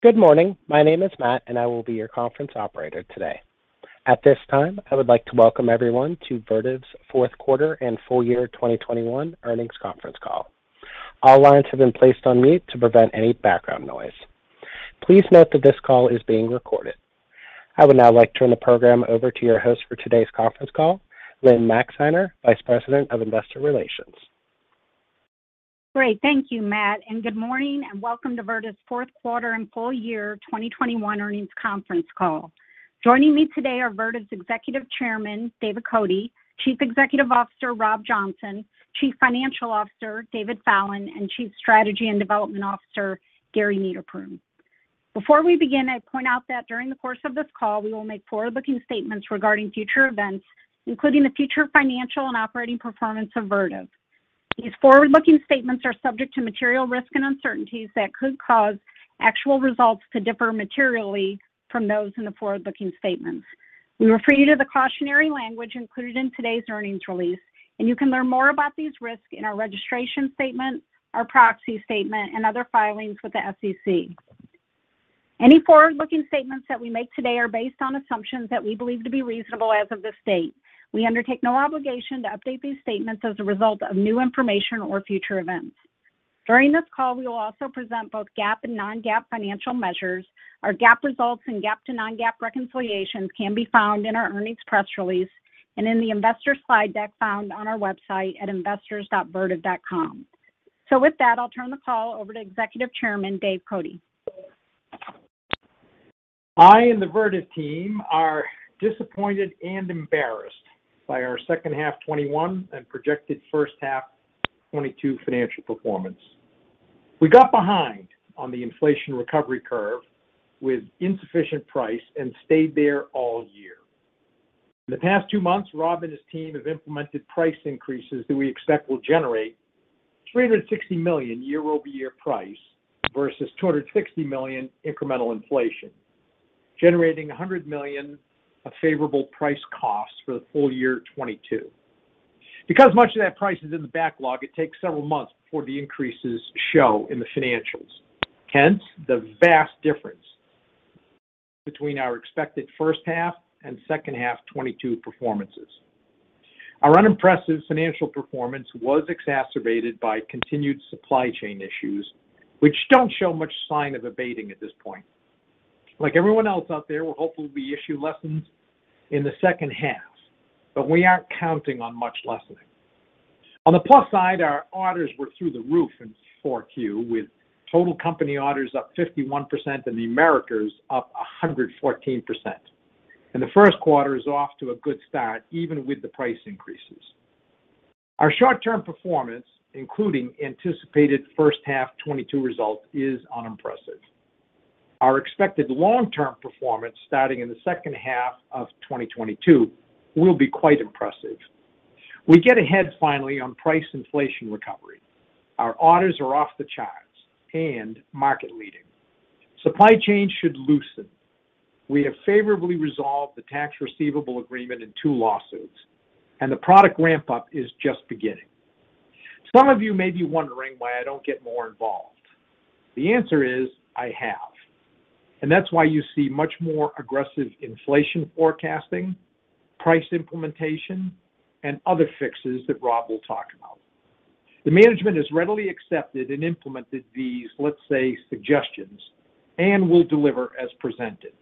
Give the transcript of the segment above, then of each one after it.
Good morning. My name is Matt, and I will be your conference operator today. At this time, I would like to welcome everyone to Vertiv's fourth quarter and full year 2021 earnings conference call. All lines have been placed on mute to prevent any background noise. Please note that this call is being recorded. I would now like to turn the program over to your host for today's conference call, Lynne Maxeiner, Vice President of Investor Relations. Great. Thank you, Matt, and good morning and welcome to Vertiv's fourth quarter and full year 2021 earnings conference call. Joining me today are Vertiv's Executive Chairman, David Cote; Chief Executive Officer, Rob Johnson; Chief Financial Officer, David Fallon; and Chief Strategy and Development Officer, Gary Niederpruem. Before we begin, I point out that during the course of this call, we will make forward-looking statements regarding future events, including the future financial and operating performance of Vertiv. These forward-looking statements are subject to material risks and uncertainties that could cause actual results to differ materially from those in the forward-looking statements. We refer you to the cautionary language included in today's earnings release, and you can learn more about these risks in our registration statement, our proxy statement, and other filings with the SEC. Any forward-looking statements that we make today are based on assumptions that we believe to be reasonable as of this date. We undertake no obligation to update these statements as a result of new information or future events. During this call, we will also present both GAAP and non-GAAP financial measures. Our GAAP results and GAAP to non-GAAP reconciliations can be found in our earnings press release and in the investor slide deck found on our website at investors.vertiv.com. With that, I'll turn the call over to Executive Chairman Dave Cote. I and the Vertiv team are disappointed and embarrassed by our second half 2021 and projected first half 2022 financial performance. We got behind on the inflation recovery curve with insufficient price and stayed there all year. In the past two months, Rob and his team have implemented price increases that we expect will generate $360 million year-over-year price versus $260 million incremental inflation, generating $100 million of favorable price costs for the full year 2022. Because much of that price is in the backlog, it takes several months before the increases show in the financials, hence the vast difference between our expected first half and second half 2022 performances. Our unimpressive financial performance was exacerbated by continued supply chain issues, which don't show much sign of abating at this point. Like everyone else out there, we'll hopefully be issue lessened in the second half, but we aren't counting on much lessening. On the plus side, our orders were through the roof in Q4, with total company orders up 51% and the Americas up 114%. The first quarter is off to a good start even with the price increases. Our short-term performance, including anticipated first half 2022 results, is unimpressive. Our expected long-term performance starting in the second half of 2022 will be quite impressive. We get ahead finally on price inflation recovery. Our orders are off the charts and market-leading. Supply chain should loosen. We have favorably resolved the Tax Receivable Agreement in two lawsuits, and the product ramp-up is just beginning. Some of you may be wondering why I don't get more involved. The answer is, I have. That's why you see much more aggressive inflation forecasting, price implementation, and other fixes that Rob will talk about. The management has readily accepted and implemented these, let's say, suggestions, and will deliver as presented.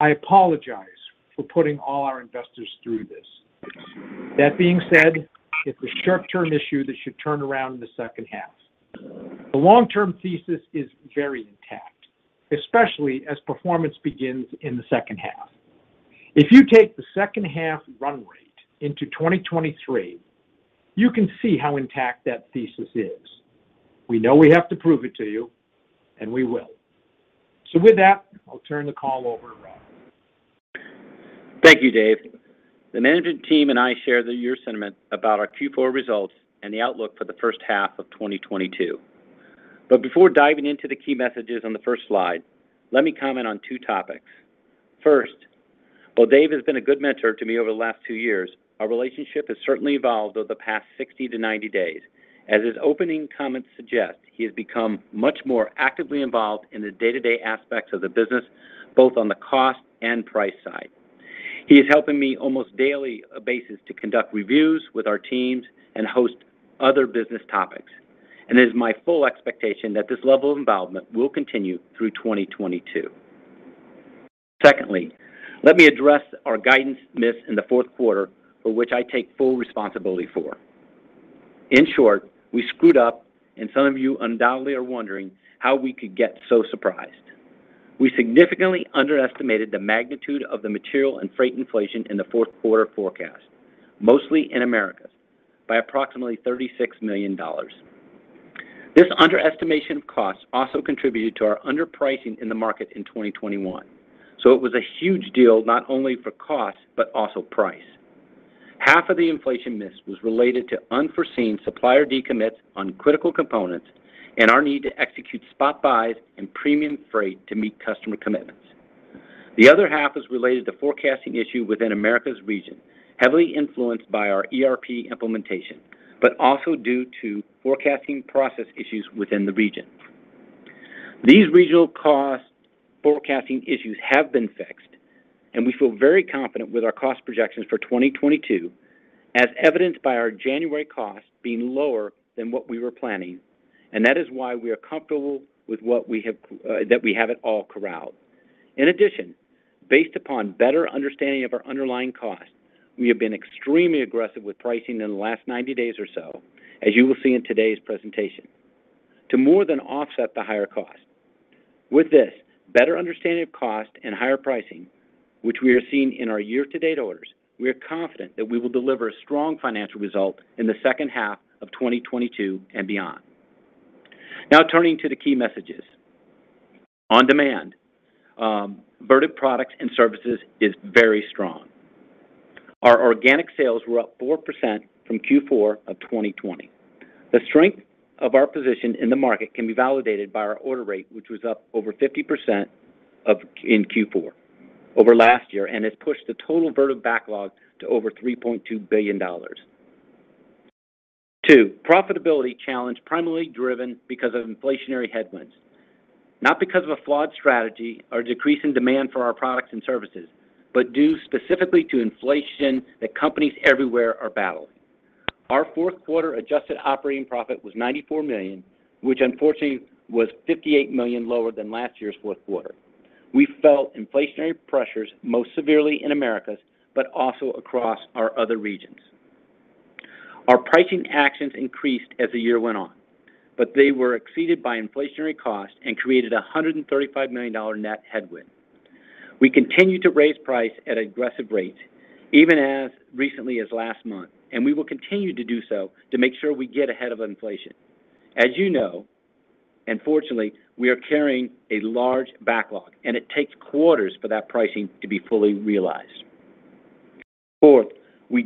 I apologize for putting all our investors through this. That being said, it's a short-term issue that should turn around in the second half. The long-term thesis is very intact, especially as performance begins in the second half. If you take the second half run rate into 2023, you can see how intact that thesis is. We know we have to prove it to you, and we will. With that, I'll turn the call over to Rob. Thank you, Dave. The management team and I share your sentiment about our Q4 results and the outlook for the first half of 2022. Before diving into the key messages on the first slide, let me comment on two topics. First, while Dave has been a good mentor to me over the last two years, our relationship has certainly evolved over the past 60-90 days. As his opening comments suggest, he has become much more actively involved in the day-to-day aspects of the business, both on the cost and price side. He is helping me almost daily basis to conduct reviews with our teams and host other business topics, and it is my full expectation that this level of involvement will continue through 2022. Secondly, let me address our guidance miss in the fourth quarter for which I take full responsibility for. In short, we screwed up, and some of you undoubtedly are wondering how we could get so surprised. We significantly underestimated the magnitude of the material and freight inflation in the fourth quarter forecast, mostly in Americas, by approximately $36 million. This underestimation of costs also contributed to our underpricing in the market in 2021. It was a huge deal, not only for cost, but also price. Half of the inflation miss was related to unforeseen supplier decommits on critical components and our need to execute spot buys and premium freight to meet customer commitments. The other half is related to forecasting issue within Americas region, heavily influenced by our ERP implementation, but also due to forecasting process issues within the region. These regional cost forecasting issues have been fixed, and we feel very confident with our cost projections for 2022 as evidenced by our January cost being lower than what we were planning, and that is why we are comfortable with what we have, that we have it all corralled. In addition, based upon better understanding of our underlying costs, we have been extremely aggressive with pricing in the last 90 days or so, as you will see in today's presentation, to more than offset the higher cost. With this better understanding of cost and higher pricing, which we are seeing in our year-to-date orders, we are confident that we will deliver a strong financial result in the second half of 2022 and beyond. Now turning to the key messages. On demand, Vertiv products and services is very strong. Our organic sales were up 4% from Q4 of 2020. The strength of our position in the market can be validated by our order rate, which was up over 50% in Q4 over last year, and has pushed the total Vertiv backlog to over $3.2 billion. Two, profitability challenge primarily driven because of inflationary headwinds, not because of a flawed strategy or decrease in demand for our products and services, but due specifically to inflation that companies everywhere are battling. Our fourth quarter adjusted operating profit was $94 million, which unfortunately was $58 million lower than last year's fourth quarter. We felt inflationary pressures most severely in Americas, but also across our other regions. Our pricing actions increased as the year went on, but they were exceeded by inflationary costs and created a $135 million net headwind. We continue to raise price at aggressive rates even as recently as last month, and we will continue to do so to make sure we get ahead of inflation. As you know, and fortunately, we are carrying a large backlog, and it takes quarters for that pricing to be fully realized. Fourth, we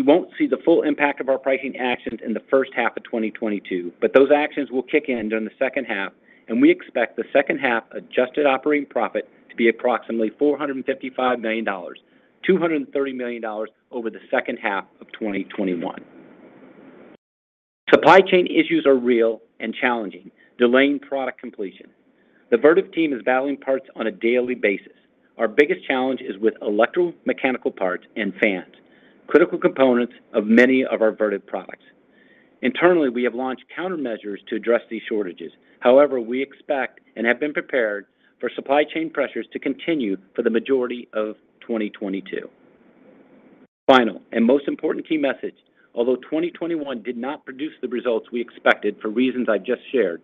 won't see the full impact of our pricing actions in the first half of 2022, but those actions will kick in during the second half, and we expect the second half adjusted operating profit to be approximately $455 million, $230 million over the second half of 2021. Supply chain issues are real and challenging, delaying product completion. The Vertiv team is battling parts on a daily basis. Our biggest challenge is with electro-mechanical parts and fans, critical components of many of our Vertiv products. Internally, we have launched countermeasures to address these shortages. However, we expect and have been prepared for supply chain pressures to continue for the majority of 2022. Final and most important key message: although 2021 did not produce the results we expected for reasons I just shared,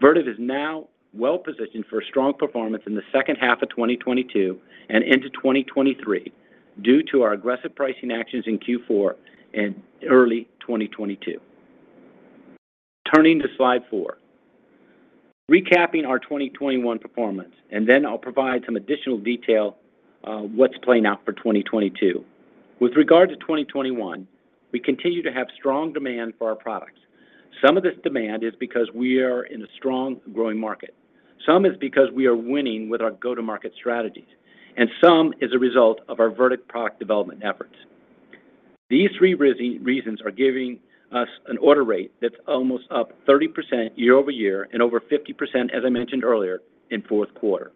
Vertiv is now well-positioned for a strong performance in the second half of 2022 and into 2023 due to our aggressive pricing actions in Q4 and early 2022. Turning to slide four. Recapping our 2021 performance, and then I'll provide some additional detail on what's playing out for 2022. With regard to 2021, we continue to have strong demand for our products. Some of this demand is because we are in a strong growing market. Some is because we are winning with our go-to-market strategies, and some is a result of our Vertiv product development efforts. These three reasons are giving us an order rate that's almost up 30% year-over-year and over 50%, as I mentioned earlier, in fourth quarter.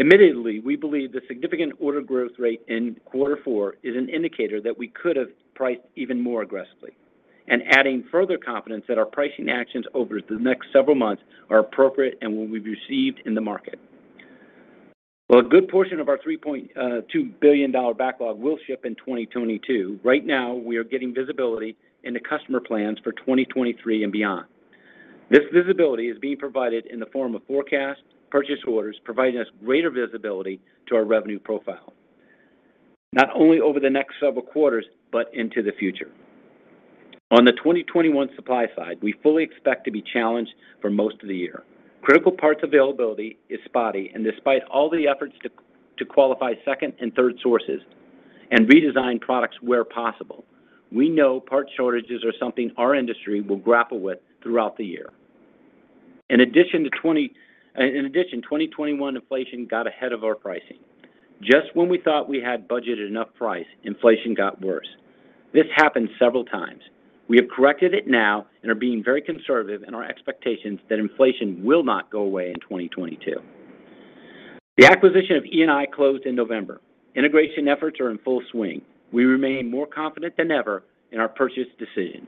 Admittedly, we believe the significant order growth rate in quarter four is an indicator that we could have priced even more aggressively and adding further confidence that our pricing actions over the next several months are appropriate and will be received in the market. While a good portion of our $3.2 billion backlog will ship in 2022, right now, we are getting visibility into customer plans for 2023 and beyond. This visibility is being provided in the form of forecasts, purchase orders, providing us greater visibility to our revenue profile, not only over the next several quarters, but into the future. On the 2021 supply side, we fully expect to be challenged for most of the year. Critical parts availability is spotty, and despite all the efforts to qualify second and third sources and redesign products where possible, we know part shortages are something our industry will grapple with throughout the year. In addition, 2021 inflation got ahead of our pricing. Just when we thought we had budgeted enough price, inflation got worse. This happened several times. We have corrected it now and are being very conservative in our expectations that inflation will not go away in 2022. The acquisition of E&I closed in November. Integration efforts are in full swing. We remain more confident than ever in our purchase decision.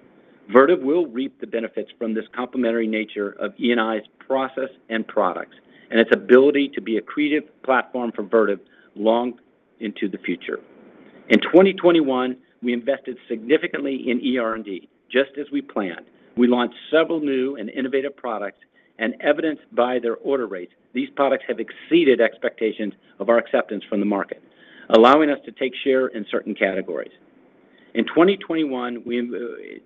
Vertiv will reap the benefits from this complementary nature of E&I's process and products and its ability to be accretive platform for Vertiv long into the future. In 2021, we invested significantly in ER&D, just as we planned. We launched several new and innovative products as evidenced by their order rates, these products have exceeded expectations of our acceptance from the market, allowing us to take share in certain categories. In 2021, we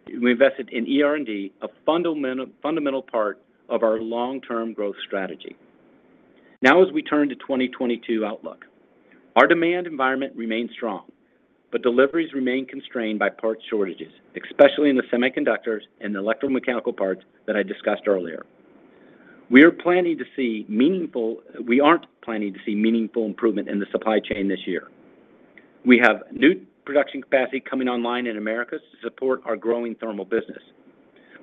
invested in ER&D, a fundamental part of our long-term growth strategy. Now as we turn to 2022 outlook. Our demand environment remains strong, but deliveries remain constrained by parts shortages, especially in semiconductors and electromechanical parts that I discussed earlier. We aren't planning to see meaningful improvement in the supply chain this year. We have new production capacity coming online in Americas to support our growing thermal business.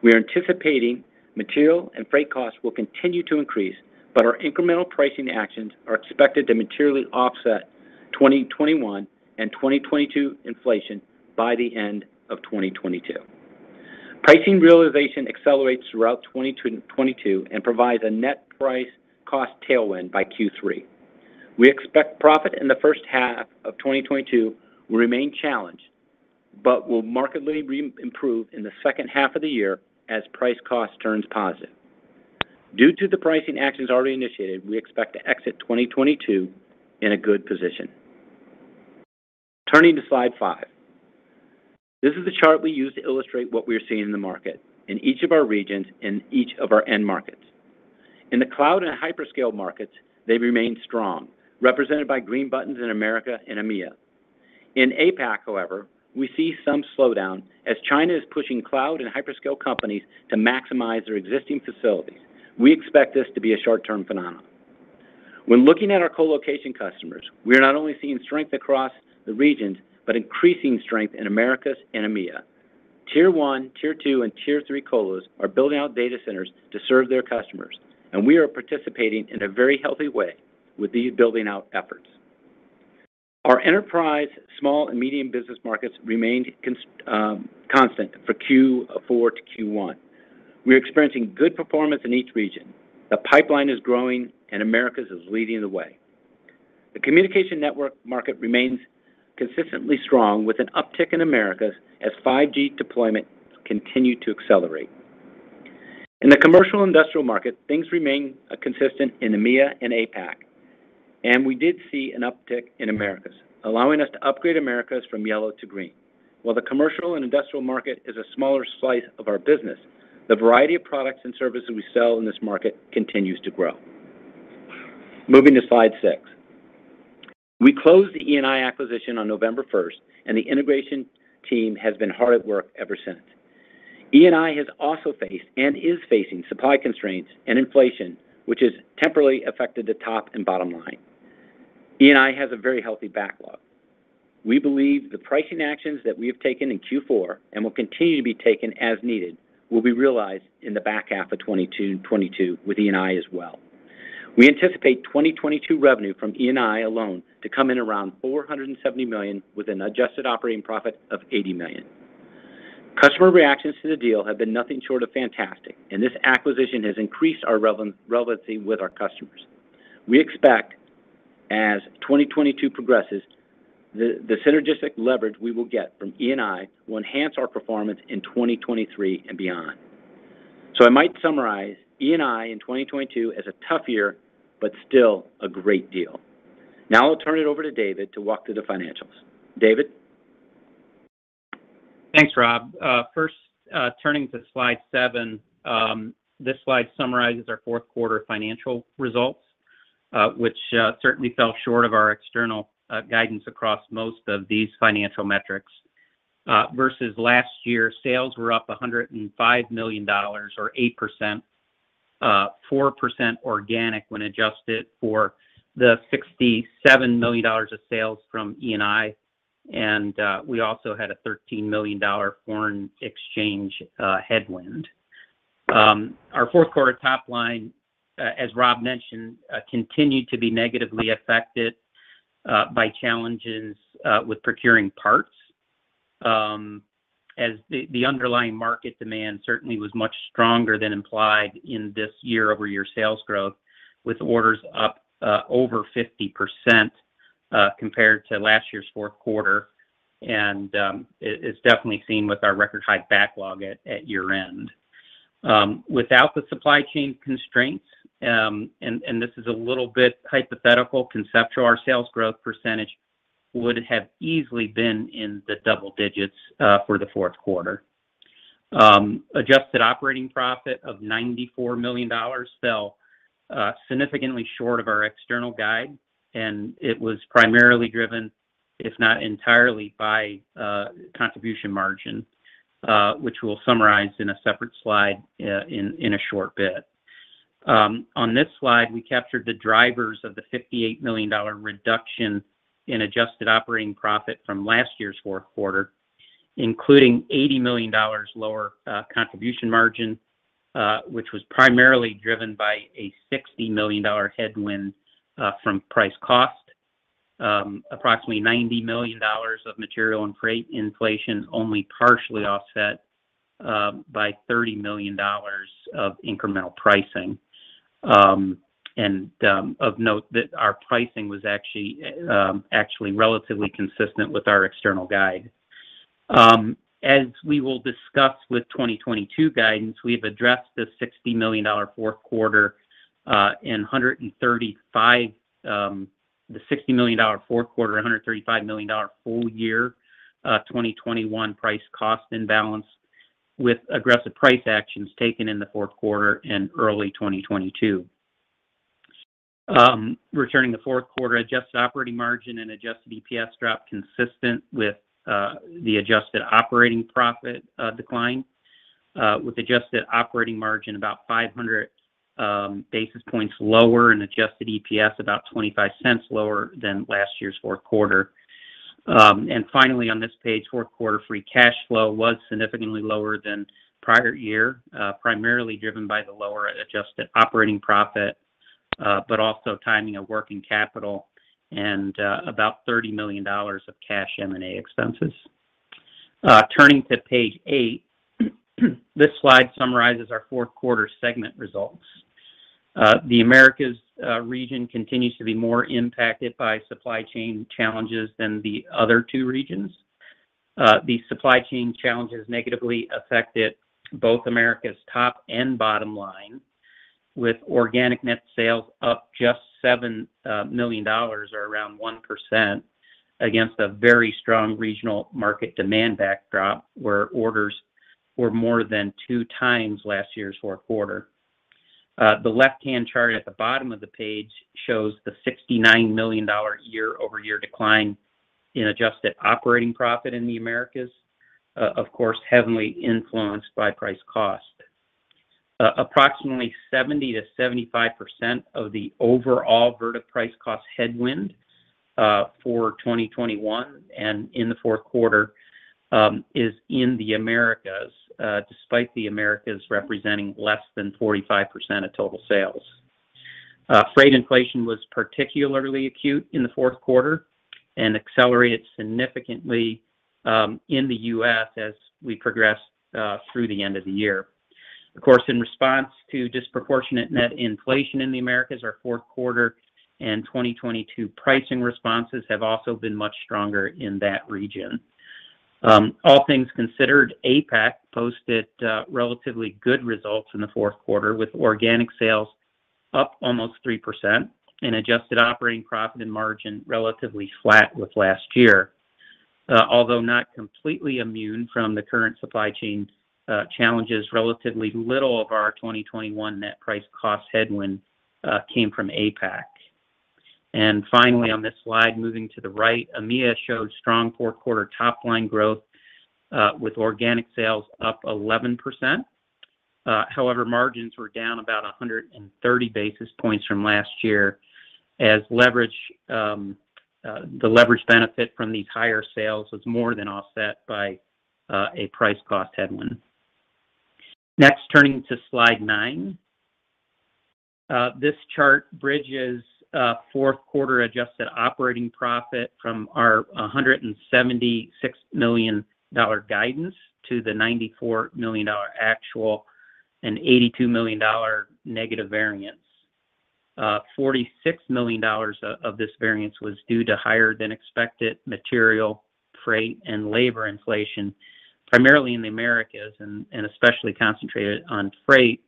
We are anticipating material and freight costs will continue to increase, but our incremental pricing actions are expected to materially offset 2021 and 2022 inflation by the end of 2022. Pricing realization accelerates throughout 2022 and provides a net price cost tailwind by Q3. We expect profit in the first half of 2022 will remain challenged, but will markedly re-improve in the second half of the year as price cost turns positive. Due to the pricing actions already initiated, we expect to exit 2022 in a good position. Turning to slide five. This is the chart we use to illustrate what we are seeing in the market in each of our regions and each of our end markets. In the cloud and hyperscale markets, they remain strong, represented by green buttons in America and EMEA. In APAC, however, we see some slowdown as China is pushing cloud and hyperscale companies to maximize their existing facilities. We expect this to be a short-term phenomenon. When looking at our colocation customers, we are not only seeing strength across the regions, but increasing strength in Americas and EMEA. Tier one, tier two, and tier three colos are building out data centers to serve their customers, and we are participating in a very healthy way with these building out efforts. Our enterprise small and medium business markets remained constant for Q four to Q one. We're experiencing good performance in each region. The pipeline is growing, and Americas is leading the way. The communication network market remains consistently strong with an uptick in Americas as 5G deployment continues to accelerate. In the commercial industrial market, things remain consistent in EMEA and APAC, and we did see an uptick in Americas, allowing us to upgrade Americas from yellow to green. While the commercial and industrial market is a smaller slice of our business, the variety of products and services we sell in this market continues to grow. Moving to slide six. We closed the E&I acquisition on November 1, and the integration team has been hard at work ever since. E&I has also faced, and is facing, supply constraints and inflation, which has temporarily affected the top and bottom line. E&I has a very healthy backlog. We believe the pricing actions that we have taken in Q4, and will continue to be taken as needed, will be realized in the back half of 2022 with E&I as well. We anticipate 2022 revenue from E&I alone to come in around $470 million with an adjusted operating profit of $80 million. Customer reactions to the deal have been nothing short of fantastic, and this acquisition has increased our relevancy with our customers. We expect, as 2022 progresses, the synergistic leverage we will get from E&I will enhance our performance in 2023 and beyond. I might summarize E&I in 2022 as a tough year, but still a great deal. Now I'll turn it over to David to walk through the financials. David? Thanks, Rob. First, turning to slide 7, this slide summarizes our fourth quarter financial results, which certainly fell short of our external guidance across most of these financial metrics. Versus last year, sales were up $105 million or 8%, 4% organic when adjusted for the $67 million of sales from E&I. We also had a $13 million foreign exchange headwind. Our fourth quarter top line, as Rob mentioned, continued to be negatively affected by challenges with procuring parts. As the underlying market demand certainly was much stronger than implied in this year-over-year sales growth with orders up over 50% compared to last year's fourth quarter, and it is definitely seen with our record high backlog at year-end. Without the supply chain constraints, and this is a little bit hypothetical, conceptual, our sales growth percentage would have easily been in the double digits for the fourth quarter. Adjusted operating profit of $94 million fell significantly short of our external guide, and it was primarily driven, if not entirely, by contribution margin, which we'll summarize in a separate slide in a short bit. On this slide, we captured the drivers of the $58 million reduction in adjusted operating profit from last year's fourth quarter, including $80 million lower contribution margin, which was primarily driven by a $60 million headwind from price cost, approximately $90 million of material and freight inflation only partially offset by $30 million of incremental pricing. Of note, our pricing was actually relatively consistent with our external guide. As we will discuss with 2022 guidance, we've addressed the $60 million fourth quarter and $135 million full year 2021 price-cost imbalance with aggressive price actions taken in the fourth quarter and early 2022. Returning to fourth quarter adjusted operating margin and adjusted EPS drop consistent with the adjusted operating profit decline, with adjusted operating margin about 500 basis points lower and adjusted EPS about $0.25 lower than last year's fourth quarter. Finally on this page, fourth quarter free cash flow was significantly lower than prior year, primarily driven by the lower adjusted operating profit, but also timing of working capital and about $30 million of cash M&A expenses. Turning to page eight, this slide summarizes our fourth quarter segment results. The Americas region continues to be more impacted by supply chain challenges than the other two regions. The supply chain challenges negatively affected both Americas top and bottom line with organic net sales up just $7 million or around 1% against a very strong regional market demand backdrop, where orders were more than 2 times last year's fourth quarter. The left-hand chart at the bottom of the page shows the $69 million year-over-year decline in adjusted operating profit in the Americas. Of course, heavily influenced by price cost. Approximately 70%-75% of the overall Vertiv price cost headwind for 2021 and in the fourth quarter is in the Americas, despite the Americas representing less than 45% of total sales. Freight inflation was particularly acute in the fourth quarter and accelerated significantly in the U.S. as we progressed through the end of the year. Of course, in response to disproportionate net inflation in the Americas, our fourth quarter and 2022 pricing responses have also been much stronger in that region. All things considered, APAC posted relatively good results in the fourth quarter with organic sales up almost 3% and adjusted operating profit and margin relatively flat with last year. Although not completely immune from the current supply chain challenges, relatively little of our 2021 net price cost headwind came from APAC. Finally on this slide, moving to the right, EMEA showed strong fourth quarter top line growth with organic sales up 11%. However, margins were down about 130 basis points from last year as the leverage benefit from these higher sales was more than offset by a price cost headwind. Next, turning to slide nine. This chart bridges fourth quarter adjusted operating profit from our $176 million guidance to the $94 million actual and $82 million negative variance. $46 million of this variance was due to higher than expected material, freight, and labor inflation, primarily in the Americas and especially concentrated on freight,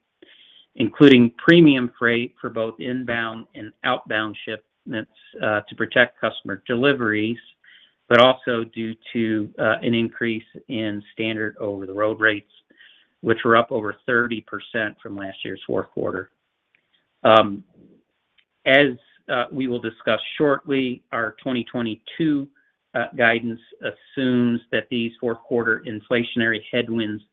including premium freight for both inbound and outbound shipments to protect customer deliveries, but also due to an increase in standard over-the-road rates, which were up over 30% from last year's fourth quarter. As we will discuss shortly, our 2022 guidance assumes that these fourth quarter inflationary headwinds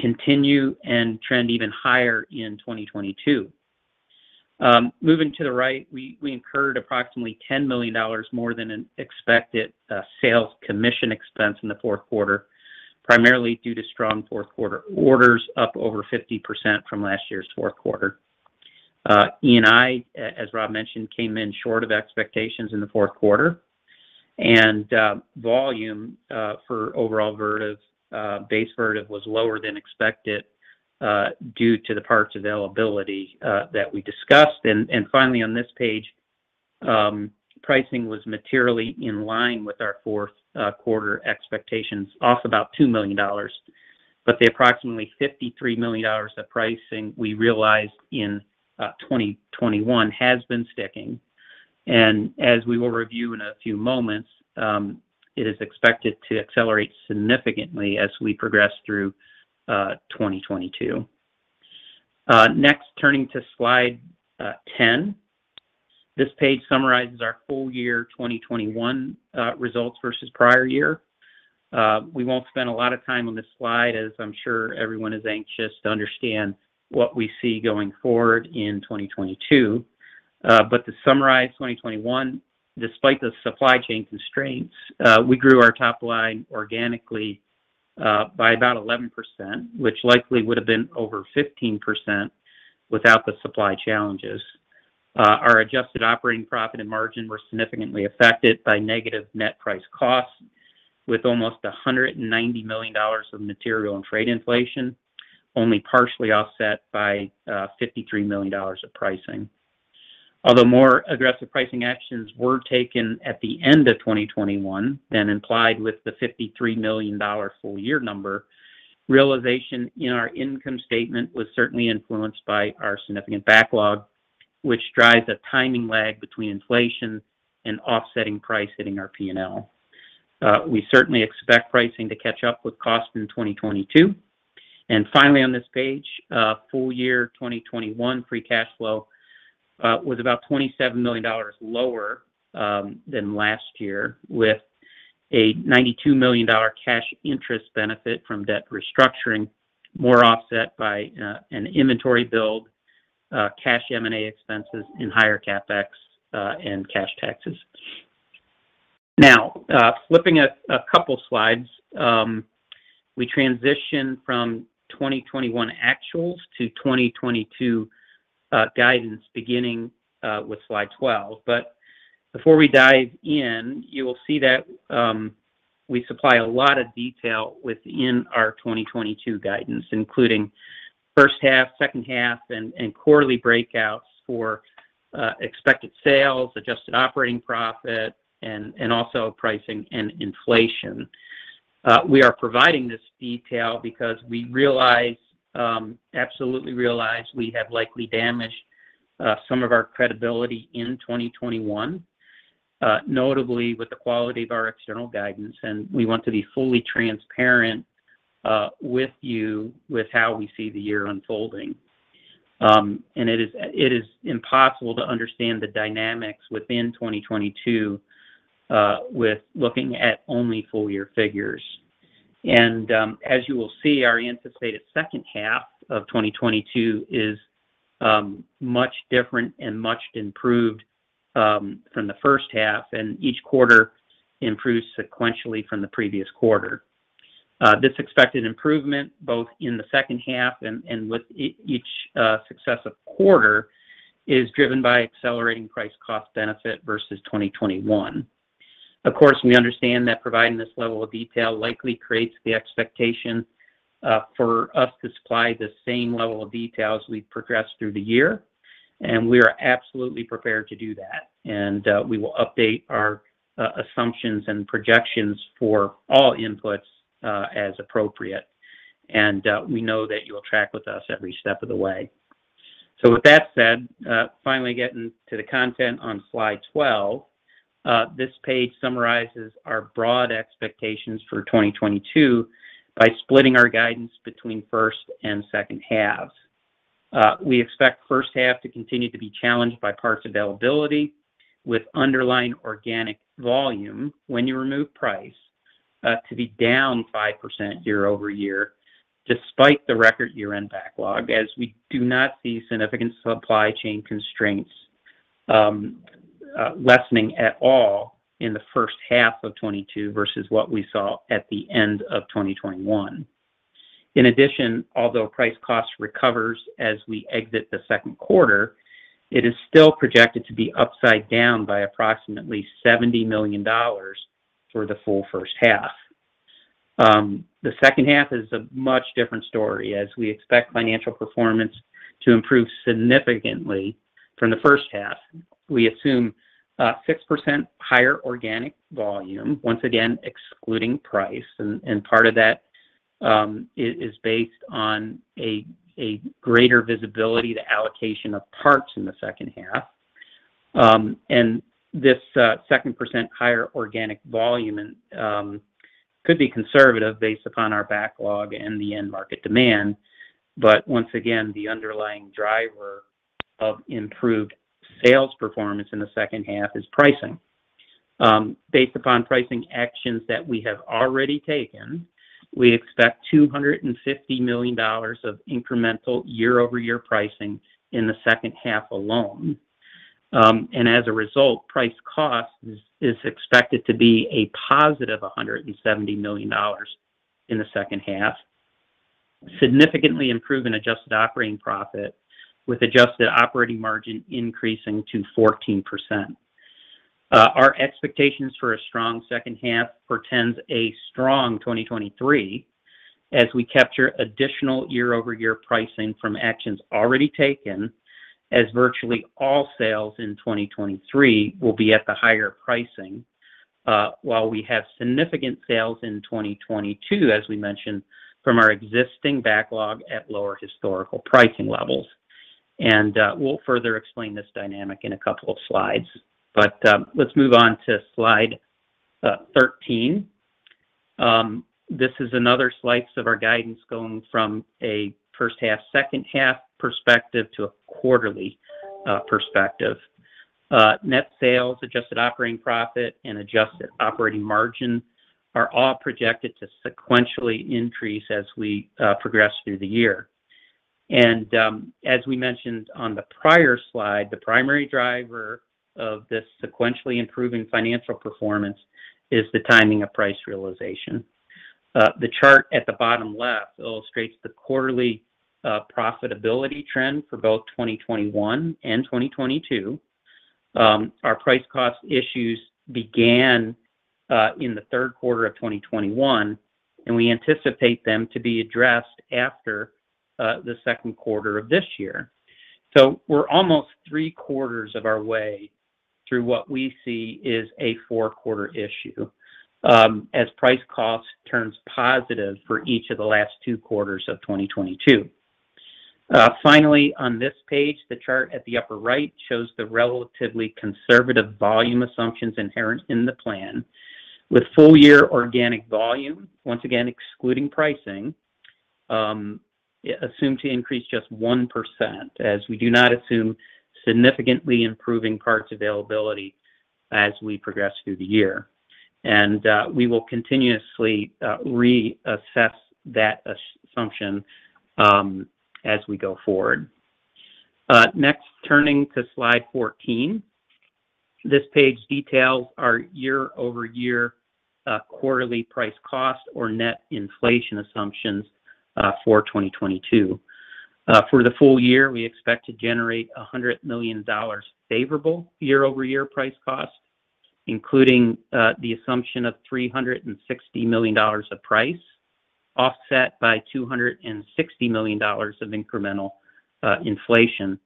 continue and trend even higher in 2022. Moving to the right, we incurred approximately $10 million more than expected sales commission expense in the fourth quarter, primarily due to strong fourth quarter orders up over 50% from last year's fourth quarter. E&I, as Rob mentioned, came in short of expectations in the fourth quarter. Volume for overall Vertiv base Vertiv was lower than expected due to the parts availability that we discussed. Finally on this page, pricing was materially in line with our fourth quarter expectations, off about $2 million. The approximately $53 million of pricing we realized in 2021 has been sticking. As we will review in a few moments, it is expected to accelerate significantly as we progress through 2022. Next, turning to slide 10. This page summarizes our full year 2021 results versus prior year. We won't spend a lot of time on this slide, as I'm sure everyone is anxious to understand what we see going forward in 2022. To summarize 2021, despite the supply chain constraints, we grew our top line organically by about 11%, which likely would have been over 15% without the supply challenges. Our adjusted operating profit and margin were significantly affected by negative net price costs with almost $190 million of material and trade inflation, only partially offset by $53 million of pricing. Although more aggressive pricing actions were taken at the end of 2021 than implied with the $53 million full year number, realization in our income statement was certainly influenced by our significant backlog, which drives a timing lag between inflation and offsetting price hitting our P&L. We certainly expect pricing to catch up with cost in 2022. Finally on this page, full year 2021 free cash flow was about $27 million lower than last year, with a $92 million cash interest benefit from debt restructuring, more offset by an inventory build, cash M&A expenses and higher CapEx, and cash taxes. Now, flipping a couple slides, we transition from 2021 actuals to 2022 guidance beginning with slide 12. Before we dive in, you will see that we supply a lot of detail within our 2022 guidance, including first half, second half, and quarterly breakouts for expected sales, adjusted operating profit, and also pricing and inflation. We are providing this detail because we realize absolutely realize we have likely damaged some of our credibility in 2021, notably with the quality of our external guidance, and we want to be fully transparent with you with how we see the year unfolding. It is impossible to understand the dynamics within 2022 with looking at only full year figures. As you will see, our anticipated second half of 2022 is much different and much improved from the first half, and each quarter improves sequentially from the previous quarter. This expected improvement, both in the second half and with each successive quarter, is driven by accelerating price cost benefit versus 2021. Of course, we understand that providing this level of detail likely creates the expectation for us to supply the same level of detail as we progress through the year, and we are absolutely prepared to do that. We will update our assumptions and projections for all inputs as appropriate. We know that you'll track with us every step of the way. With that said, finally getting to the content on slide 12. This page summarizes our broad expectations for 2022 by splitting our guidance between first and second halves. We expect first half to continue to be challenged by parts availability, with underlying organic volume, when you remove price, to be down 5% year over year despite the record year-end backlog, as we do not see significant supply chain constraints lessening at all in the first half of 2022 versus what we saw at the end of 2021. In addition, although price cost recovers as we exit the second quarter, it is still projected to be upside down by approximately $70 million for the full first half. The second half is a much different story, as we expect financial performance to improve significantly from the first half. We assume 6% higher organic volume, once again excluding price, and part of that is based on a greater visibility to allocation of parts in the second half. This 2% higher organic volume could be conservative based upon our backlog and the end market demand. Once again, the underlying driver of improved sales performance in the second half is pricing. Based upon pricing actions that we have already taken, we expect $250 million of incremental year-over-year pricing in the second half alone. As a result, price-cost is expected to be a positive $170 million in the second half, significantly improving adjusted operating profit with adjusted operating margin increasing to 14%. Our expectations for a strong second half portends a strong 2023 as we capture additional year-over-year pricing from actions already taken, as virtually all sales in 2023 will be at the higher pricing, while we have significant sales in 2022, as we mentioned, from our existing backlog at lower historical pricing levels. We'll further explain this dynamic in a couple of slides. Let's move on to slide 13. This is another slice of our guidance going from a first half/second half perspective to a quarterly perspective. Net sales, adjusted operating profit, and adjusted operating margin are all projected to sequentially increase as we progress through the year. As we mentioned on the prior slide, the primary driver of this sequentially improving financial performance is the timing of price realization. The chart at the bottom left illustrates the quarterly profitability trend for both 2021 and 2022. Our price cost issues began in the third quarter of 2021, and we anticipate them to be addressed after the second quarter of this year. We're almost 3 quarters of our way through what we see is a four-quarter issue, as price cost turns positive for each of the last two quarters of 2022. Finally, on this page, the chart at the upper right shows the relatively conservative volume assumptions inherent in the plan with full year organic volume, once again excluding pricing, assumed to increase just 1% as we do not assume significantly improving parts availability as we progress through the year. We will continuously reassess that assumption as we go forward. Next, turning to slide 14. This page details our year-over-year quarterly price cost or net inflation assumptions for 2022. For the full year, we expect to generate $100 million favorable year-over-year price cost, including the assumption of $360 million of price offset by $260 million of incremental inflation.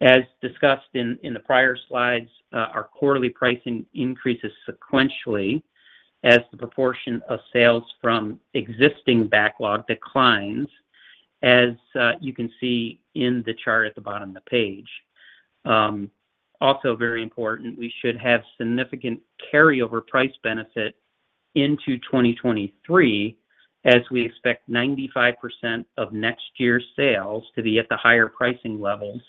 As discussed in the prior slides, our quarterly pricing increases sequentially as the proportion of sales from existing backlog declines, as you can see in the chart at the bottom of the page. Also very important, we should have significant carryover price benefit into 2023 as we expect 95% of next year's sales to be at the higher pricing levels,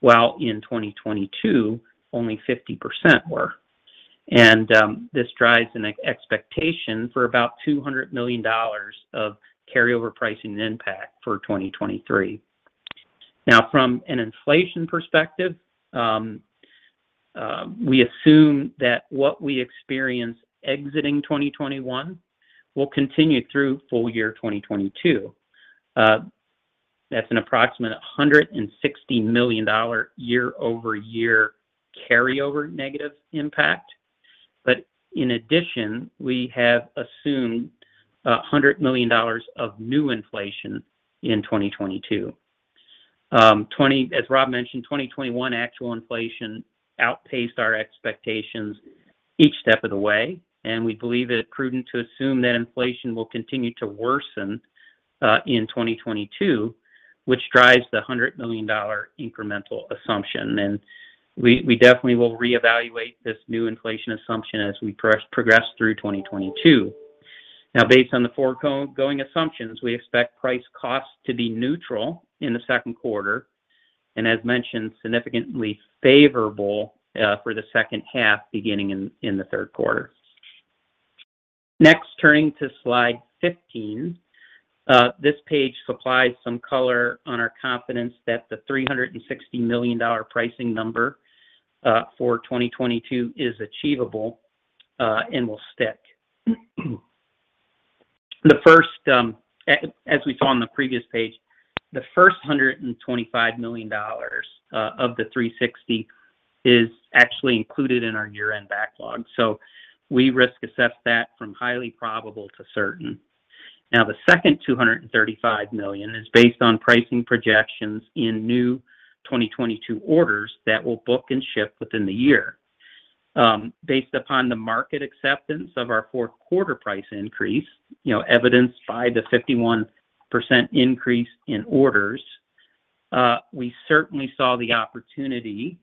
while in 2022 only 50% were. This drives an expectation for about $200 million of carryover pricing impact for 2023. Now from an inflation perspective, we assume that what we experience exiting 2021 will continue through full year 2022. That's an approximate $160 million year-over-year carryover negative impact. In addition, we have assumed $100 million of new inflation in 2022. As Rob mentioned, 2021 actual inflation outpaced our expectations each step of the way, and we believe it prudent to assume that inflation will continue to worsen in 2022, which drives the $100 million incremental assumption. We definitely will reevaluate this new inflation assumption as we progress through 2022. Based on the forward-going assumptions, we expect price cost to be neutral in the second quarter, and as mentioned, significantly favorable for the second half beginning in the third quarter. Next, turning to slide 15. This page supplies some color on our confidence that the $360 million pricing number for 2022 is achievable and will stick. The first, as we saw on the previous page, the first $125 million of the 360 is actually included in our year-end backlog. So we risk assess that from highly probable to certain. Now the second $235 million is based on pricing projections in new 2022 orders that will book and ship within the year. Based upon the market acceptance of our fourth quarter price increase, you know, evidenced by the 51% increase in orders, we certainly saw the opportunity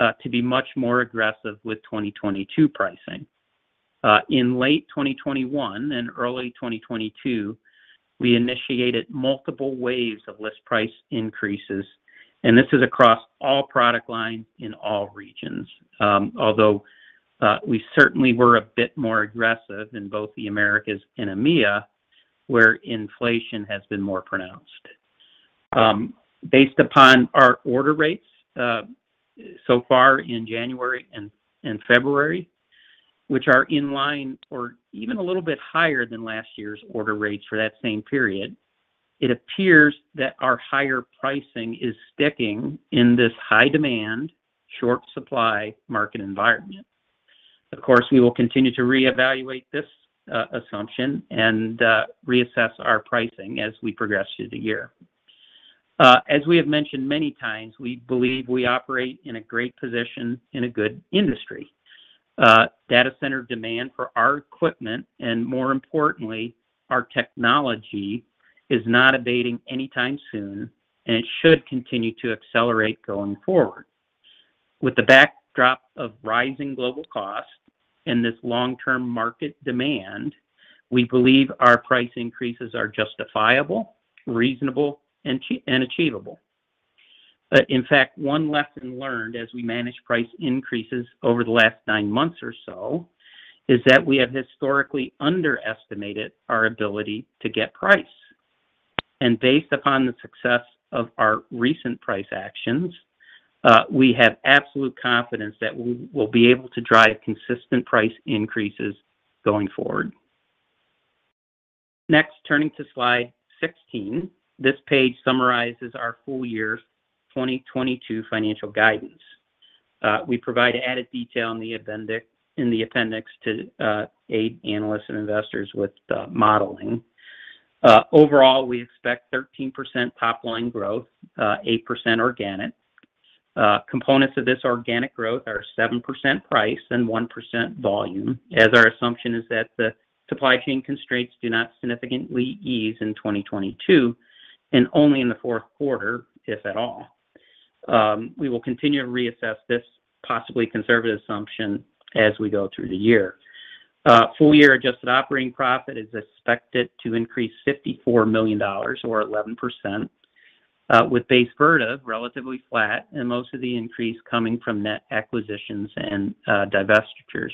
to be much more aggressive with 2022 pricing. In late 2021 and early 2022, we initiated multiple waves of list price increases, and this is across all product lines in all regions. Although we certainly were a bit more aggressive in both the Americas and EMEA, where inflation has been more pronounced. Based upon our order rates so far in January and February, which are in line or even a little bit higher than last year's order rates for that same period, it appears that our higher pricing is sticking in this high demand, short supply market environment. Of course, we will continue to reevaluate this assumption and reassess our pricing as we progress through the year. As we have mentioned many times, we believe we operate in a great position in a good industry. Data center demand for our equipment and more importantly, our technology is not abating anytime soon, and it should continue to accelerate going forward. With the backdrop of rising global costs and this long-term market demand, we believe our price increases are justifiable, reasonable, and achievable. In fact, one lesson learned as we manage price increases over the last nine months or so is that we have historically underestimated our ability to get price. Based upon the success of our recent price actions, we have absolute confidence that we will be able to drive consistent price increases going forward. Next, turning to slide 16. This page summarizes our full year 2022 financial guidance. We provide added detail in the appendix to aid analysts and investors with the modeling. Overall, we expect 13% top-line growth, 8% organic. Components of this organic growth are 7% price and 1% volume, as our assumption is that the supply chain constraints do not significantly ease in 2022 and only in the fourth quarter, if at all. We will continue to reassess this possibly conservative assumption as we go through the year. Full year adjusted operating profit is expected to increase $54 million or 11%, with base Vertiv relatively flat and most of the increase coming from net acquisitions and divestitures.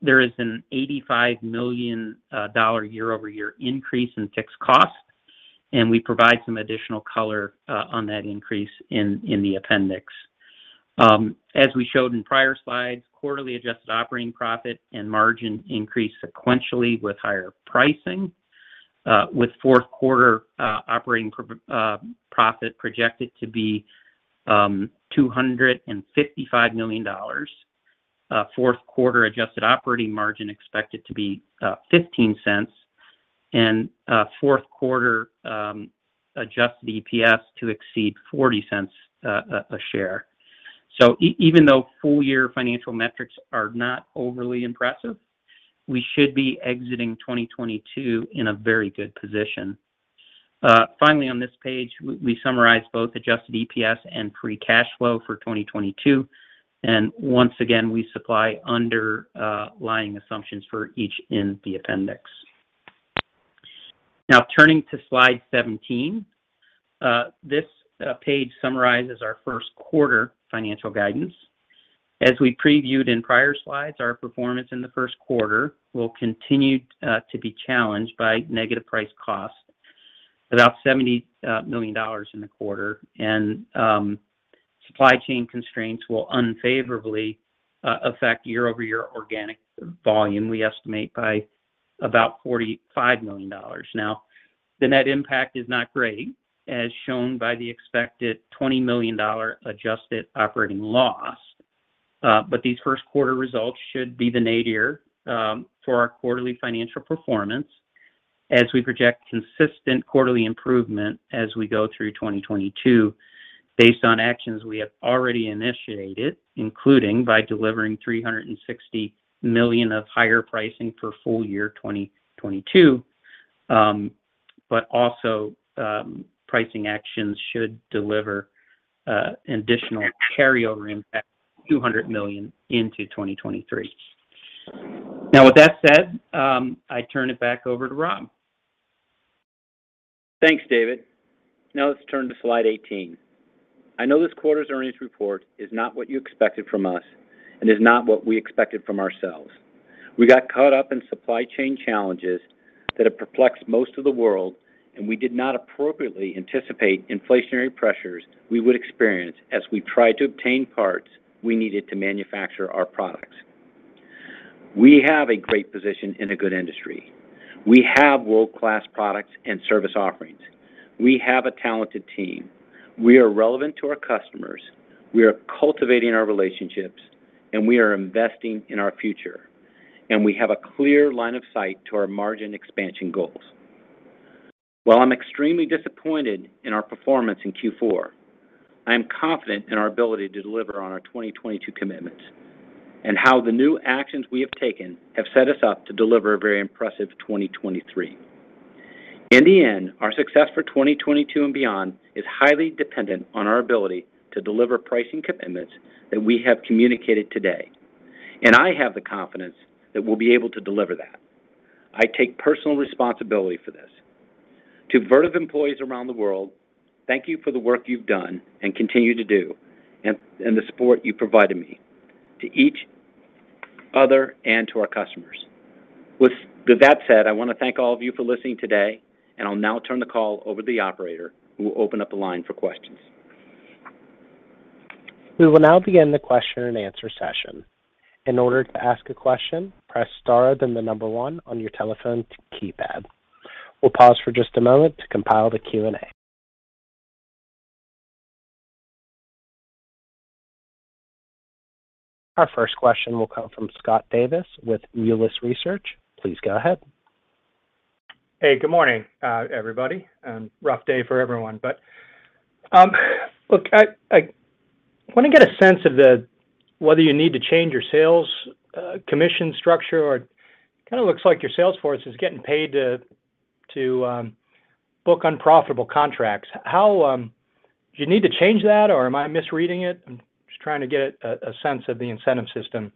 There is an $85 million year-over-year increase in fixed costs, and we provide some additional color on that increase in the appendix. As we showed in prior slides, quarterly adjusted operating profit and margin increased sequentially with higher pricing, with fourth quarter operating profit projected to be $255 million. Fourth quarter adjusted operating margin expected to be 15%, and fourth quarter adjusted EPS to exceed $0.40 a share. Even though full year financial metrics are not overly impressive, we should be exiting 2022 in a very good position. Finally, on this page, we summarize both adjusted EPS and free cash flow for 2022, and once again, we supply underlying assumptions for each in the appendix. Now, turning to slide 17. This page summarizes our first quarter financial guidance. As we previewed in prior slides, our performance in the first quarter will continue to be challenged by negative price costs, about $70 million in the quarter. Supply chain constraints will unfavorably affect year-over-year organic volume, we estimate by about $45 million. Now, the net impact is not great, as shown by the expected $20 million adjusted operating loss. These first quarter results should be the nadir for our quarterly financial performance as we project consistent quarterly improvement as we go through 2022 based on actions we have already initiated, including by delivering $360 million of higher pricing for full year 2022. Pricing actions should deliver additional carryover impact $200 million into 2023. Now, with that said, I turn it back over to Rob. Thanks, David. Now let's turn to slide 18. I know this quarter's earnings report is not what you expected from us and is not what we expected from ourselves. We got caught up in supply chain challenges that have perplexed most of the world, and we did not appropriately anticipate inflationary pressures we would experience as we tried to obtain parts we needed to manufacture our products. We have a great position in a good industry. We have world-class products and service offerings. We have a talented team. We are relevant to our customers. We are cultivating our relationships, and we are investing in our future. We have a clear line of sight to our margin expansion goals. While I'm extremely disappointed in our performance in Q4, I am confident in our ability to deliver on our 2022 commitments and how the new actions we have taken have set us up to deliver a very impressive 2023. In the end, our success for 2022 and beyond is highly dependent on our ability to deliver pricing commitments that we have communicated today. I have the confidence that we'll be able to deliver that. I take personal responsibility for this. To Vertiv employees around the world, thank you for the work you've done and continue to do and the support you provide to me, to each other, and to our customers. With that said, I want to thank all of you for listening today, and I'll now turn the call over to the operator who will open up the line for questions. We will now begin the question and answer session. In order to ask a question, press star, then the number one on your telephone keypad. We'll pause for just a moment to compile the Q&A. Our first question will come from Scott Davis with Melius Research. Please go ahead. Hey, good morning, everybody, and rough day for everyone. Look, I want to get a sense of whether you need to change your sales commission structure or it kind of looks like your sales force is getting paid to book unprofitable contracts. How do you need to change that, or am I misreading it? I'm just trying to get a sense of the incentive system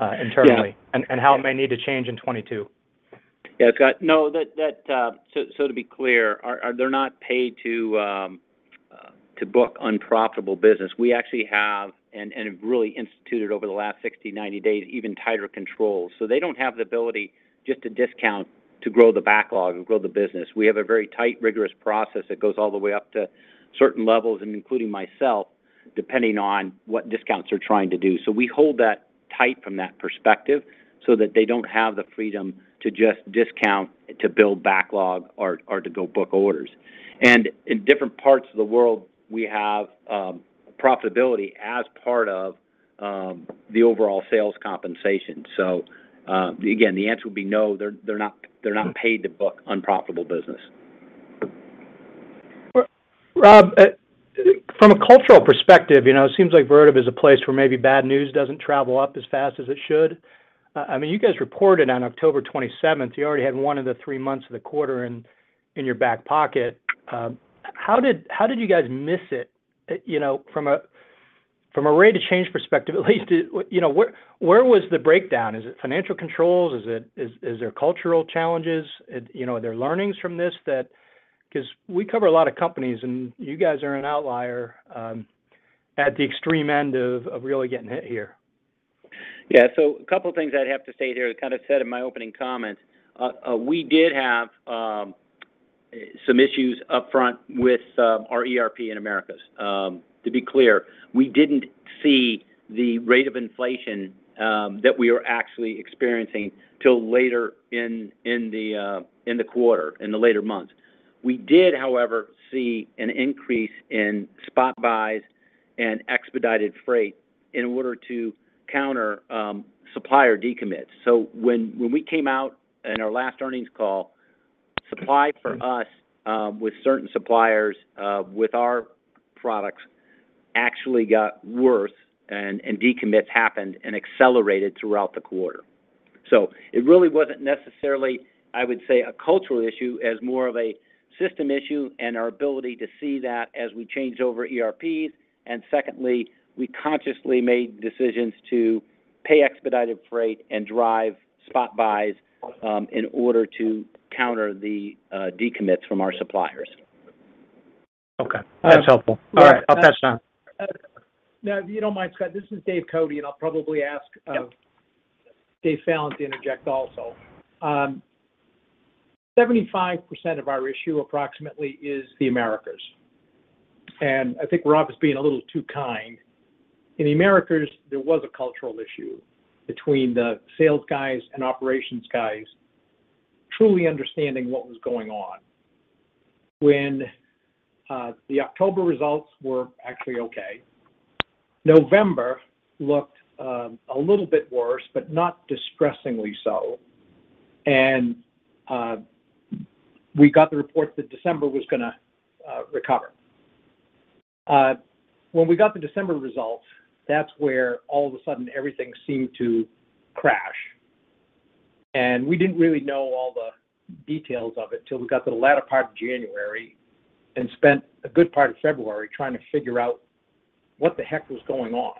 internally, how it may need to change in 2022. Yeah, Scott. No. To be clear, they're not paid to book unprofitable business. We actually have really instituted over the last 60, 90 days even tighter controls. They don't have the ability just to discount to grow the backlog and grow the business. We have a very tight, rigorous process that goes all the way up to certain levels, including myself, depending on what discounts we're trying to do. We hold that tight from that perspective so that they don't have the freedom just to discount to build backlog or to go book orders. In different parts of the world, we have profitability as part of the overall sales compensation. Again, the answer would be no. They're not paid to book unprofitable business. Rob, from a cultural perspective, you know, it seems like Vertiv is a place where maybe bad news doesn't travel up as fast as it should. I mean, you guys reported on October 27, you already had one of the three months of the quarter in your back pocket. How did you guys miss it? You know, from a rate of change perspective at least, you know, where was the breakdown? Is it financial controls? Is there cultural challenges? You know, are there learnings from this? 'Cause we cover a lot of companies, and you guys are an outlier at the extreme end of really getting hit here. Yeah. A couple things I'd have to say here. I kind of said in my opening comments, we did have some issues up front with our ERP in Americas. To be clear, we didn't see the rate of inflation that we were actually experiencing till later in the quarter, in the later months. We did, however, see an increase in spot buys and expedited freight in order to counter supplier decommits. When we came out in our last earnings call, supply for us with certain suppliers with our products actually got worse and decommits happened and accelerated throughout the quarter. It really wasn't necessarily I would say a cultural issue as more of a system issue and our ability to see that as we changed over ERPs. Secondly, we consciously made decisions to pay expedited freight and drive spot buys, in order to counter the decommits from our suppliers. Okay. That's helpful. All right. I'll pass it on. Now, if you don't mind, Scott, this is Dave Cote, and I'll probably ask. Yep David Fallon to interject also. 75% of our issue approximately is the Americas. I think Rob is being a little too kind. In the Americas, there was a cultural issue between the sales guys and operations guys truly understanding what was going on. When the October results were actually okay, November looked a little bit worse, but not distressingly so. We got the report that December was gonna recover. When we got the December results, that's where all of a sudden everything seemed to crash. We didn't really know all the details of it till we got to the latter part of January and spent a good part of February trying to figure out what the heck was going on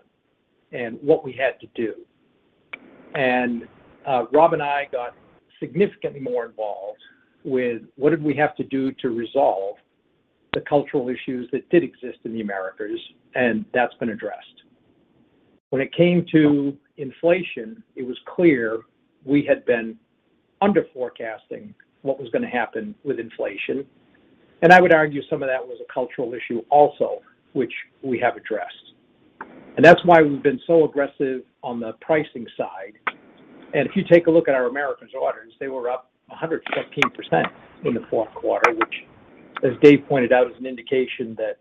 and what we had to do. Rob and I got significantly more involved with what did we have to do to resolve the cultural issues that did exist in the Americas, and that's been addressed. When it came to inflation, it was clear we had been underforecasting what was gonna happen with inflation. I would argue some of that was a cultural issue also, which we have addressed. That's why we've been so aggressive on the pricing side. If you take a look at our Americas orders, they were up 115% in the fourth quarter, which as Dave pointed out, is an indication that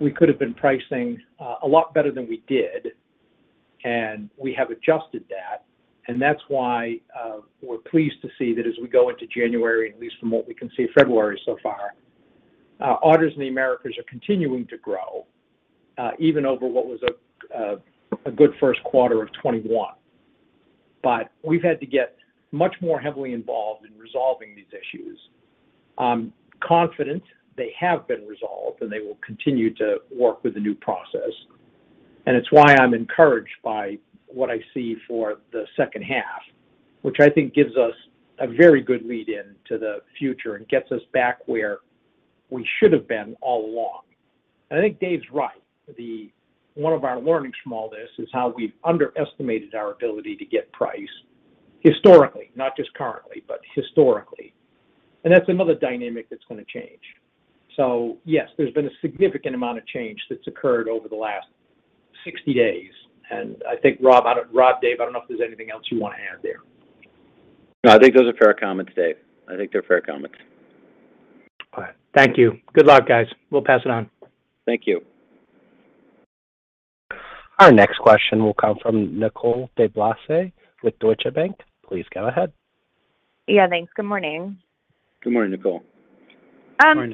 we could have been pricing a lot better than we did, and we have adjusted that. That's why we're pleased to see that as we go into January, and at least from what we can see, February so far, orders in the Americas are continuing to grow, even over what was a good first quarter of 2021. But we've had to get much more heavily involved in resolving these issues. I'm confident they have been resolved, and they will continue to work with the new process, and it's why I'm encouraged by what I see for the second half, which I think gives us a very good lead in to the future and gets us back where we should have been all along. I think Dave's right. One of our learnings from all this is how we've underestimated our ability to get price historically, not just currently, but historically. That's another dynamic that's gonna change. Yes, there's been a significant amount of change that's occurred over the last 60 days. I think, Rob, David, I don't know if there's anything else you want to add there. No, I think those are fair comments, Dave. I think they're fair comments. All right. Thank you. Good luck, guys. We'll pass it on. Thank you. Our next question will come from Nicole DeBlase with Deutsche Bank. Please go ahead. Yeah, thanks. Good morning. Good morning, Nicole. I guess maybe. Good morning,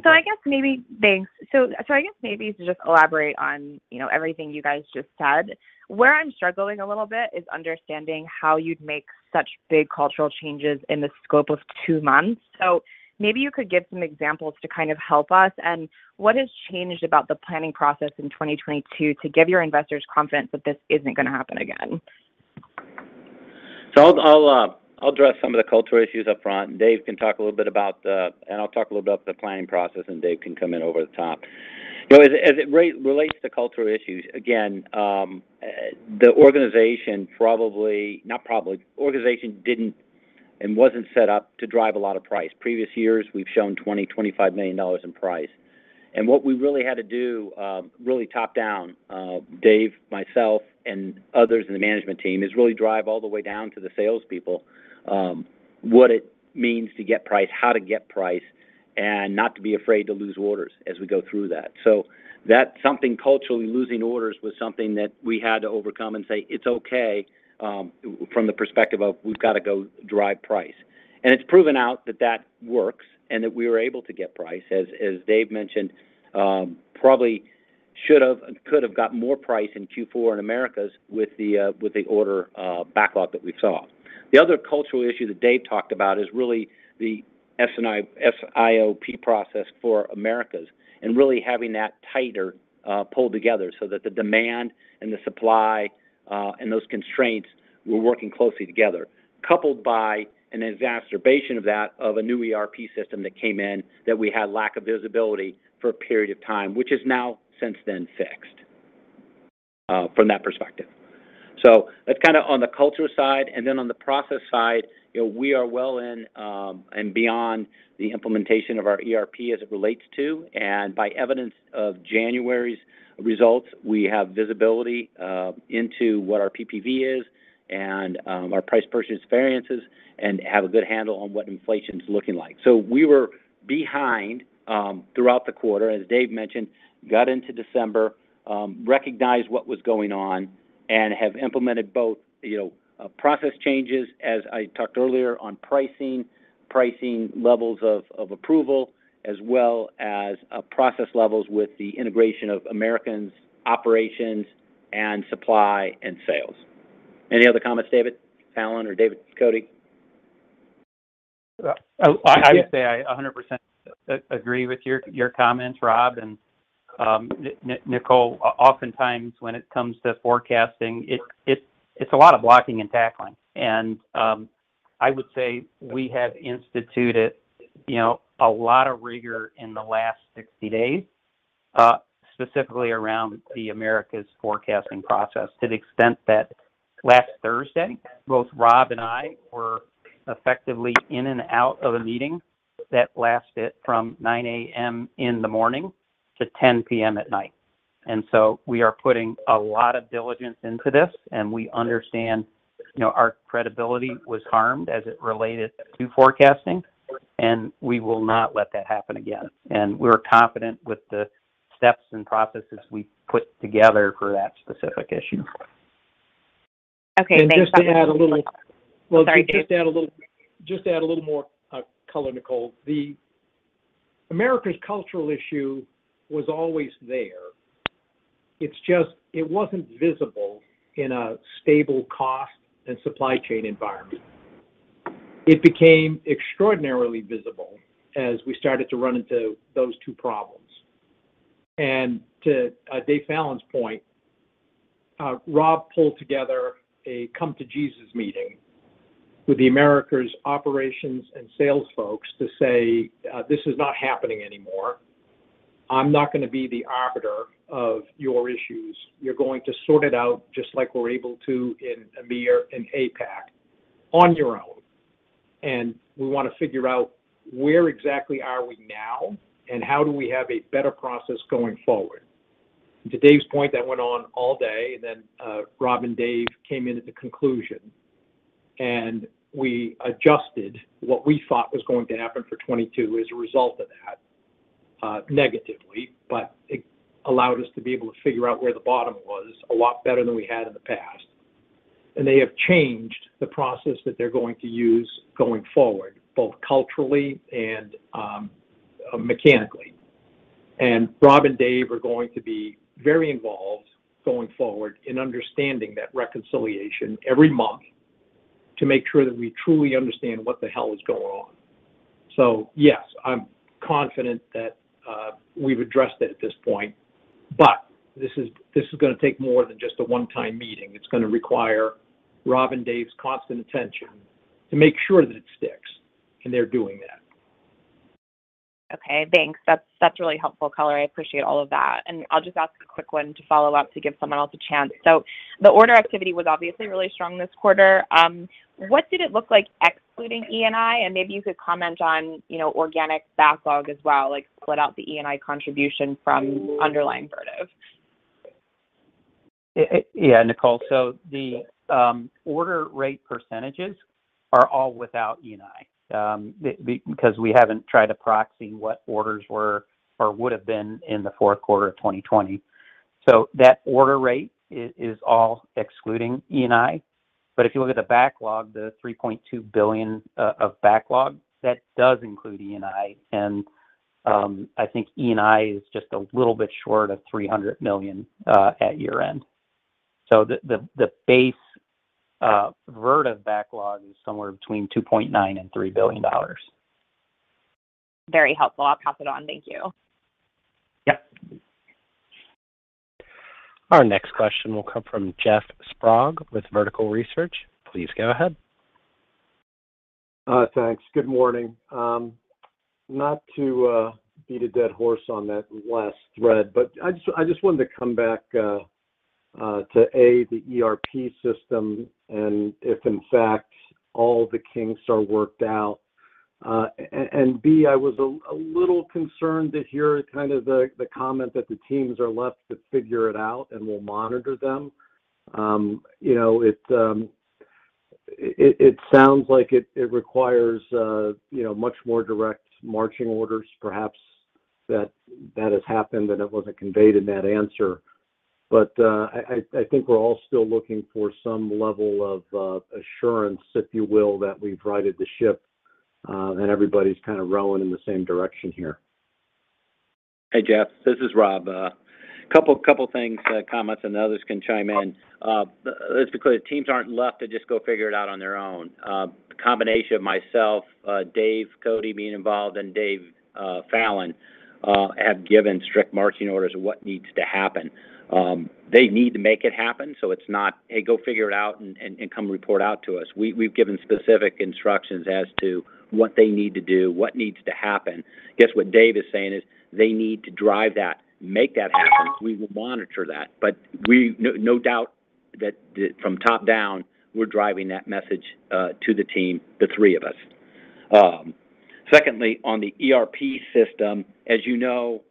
Nicole. Thanks. I guess maybe to just elaborate on, you know, everything you guys just said, where I'm struggling a little bit is understanding how you'd make such big cultural changes in the scope of two months. Maybe you could give some examples to kind of help us. What has changed about the planning process in 2022 to give your investors confidence that this isn't gonna happen again? I'll address some of the cultural issues up front. Dave can talk a little bit, and I'll talk a little about the planning process, and Dave can come in over the top. You know, as it relates to cultural issues, again, the organization didn't and wasn't set up to drive a lot of price. Previous years, we've shown $25 million in price. What we really had to do, really top down, Dave, myself, and others in the management team, is really drive all the way down to the salespeople, what it means to get price, how to get price, and not to be afraid to lose orders as we go through that. That's something culturally, losing orders was something that we had to overcome and say, "It's okay," from the perspective of we've got to go drive price. It's proven out that that works and that we were able to get price. As Dave mentioned, probably should have and could have got more price in Q4 in Americas with the order backlog that we saw. The other cultural issue that Dave talked about is really the SIOP process for Americas and really having that tighter pulled together so that the demand and the supply and those constraints were working closely together. Coupled with an exacerbation of that of a new ERP system that came in that we had lack of visibility for a period of time, which is now since then fixed, from that perspective. That's kind of on the cultural side. Then on the process side, you know, we are well in and beyond the implementation of our ERP as it relates to. As evidence of January's results, we have visibility into what our PPV is and our purchase price variances and have a good handle on what inflation's looking like. We were behind throughout the quarter. As Dave mentioned, we got into December, recognized what was going on, and have implemented both, you know, process changes, as I talked earlier, on pricing levels of approval, as well as process levels with the integration of Americas' operations and supply and sales. Any other comments, David Fallon or David Cote? I'd say 100% agree with your comments, Rob. Nicole, oftentimes when it comes to forecasting, it's a lot of blocking and tackling. I would say we have instituted, you know, a lot of rigor in the last 60 days, specifically around the Americas forecasting process to the extent that last Thursday, both Rob and I were effectively in and out of a meeting that lasted from 9:00 A.M. in the morning to 10:00 P.M. at night. We are putting a lot of diligence into this, and we understand, you know, our credibility was harmed as it related to forecasting, and we will not let that happen again. We're confident with the steps and processes we put together for that specific issue. Okay, thanks. Just to add a little. Sorry, Dave. Well, to add a little more color, Nicole. The Americas cultural issue was always there. It's just it wasn't visible in a stable cost and supply chain environment. It became extraordinarily visible as we started to run into those two problems. To David Fallon's point, Rob pulled together a come to Jesus meeting with the Americas operations and sales folks to say, "This is not happening anymore. I'm not gonna be the arbiter of your issues. You're going to sort it out just like we're able to in EMEA and APAC on your own. And we want to figure out where exactly are we now and how do we have a better process going forward." To David's point, that went on all day, and then Rob and David came in at the conclusion. We adjusted what we thought was going to happen for 2022 as a result of that, negatively, but it allowed us to be able to figure out where the bottom was a lot better than we had in the past. They have changed the process that they're going to use going forward, both culturally and mechanically. Rob and Dave are going to be very involved going forward in understanding that reconciliation every month to make sure that we truly understand what the hell is going on. Yes, I'm confident that we've addressed it at this point, but this is gonna take more than just a one-time meeting. It's gonna require Rob and David's constant attention to make sure that it sticks, and they're doing that. Okay, thanks. That's really helpful color. I appreciate all of that. I'll just ask a quick one to follow up to give someone else a chance. The order activity was obviously really strong this quarter. What did it look like excluding E&I? Maybe you could comment on, you know, organic backlog as well, like split out the E&I contribution from underlying Vertiv. Yeah, Nicole. The order rate percentages are all without E&I, because we haven't tried approximating what orders were or would have been in the fourth quarter of 2020. That order rate is all excluding E&I. If you look at the backlog, the $3.2 billion backlog, that does include E&I. I think E&I is just a little bit short of $300 million at year-end. The base Vertiv backlog is somewhere between $2.9 billion and $3 billion. Very helpful. I'll pass it on. Thank you. Yep. Our next question will come from Jeff Sprague with Vertical Research. Please go ahead. Thanks. Good morning. Not to beat a dead horse on that last thread, but I just wanted to come back. To A, the ERP system, and if in fact all the kinks are worked out. B, I was a little concerned to hear kind of the comment that the teams are left to figure it out and we'll monitor them. You know, it sounds like it requires you know, much more direct marching orders. Perhaps that has happened and it wasn't conveyed in that answer. I think we're all still looking for some level of assurance, if you will, that we've righted the ship, and everybody's kind of rowing in the same direction here. Hey, Jeff, this is Rob. A couple things, comments, and others can chime in. Let's be clear, the teams aren't left to just go figure it out on their own. A combination of myself, Dave Cote being involved and David Fallon have given strict marching orders of what needs to happen. They need to make it happen, so it's not, "Hey, go figure it out and come report out to us." We've given specific instructions as to what they need to do, what needs to happen. Guess what Dave is saying is they need to drive that, make that happen. We will monitor that. But no doubt that from top down, we're driving that message to the team, the three of us. Secondly, on the ERP system, as you know,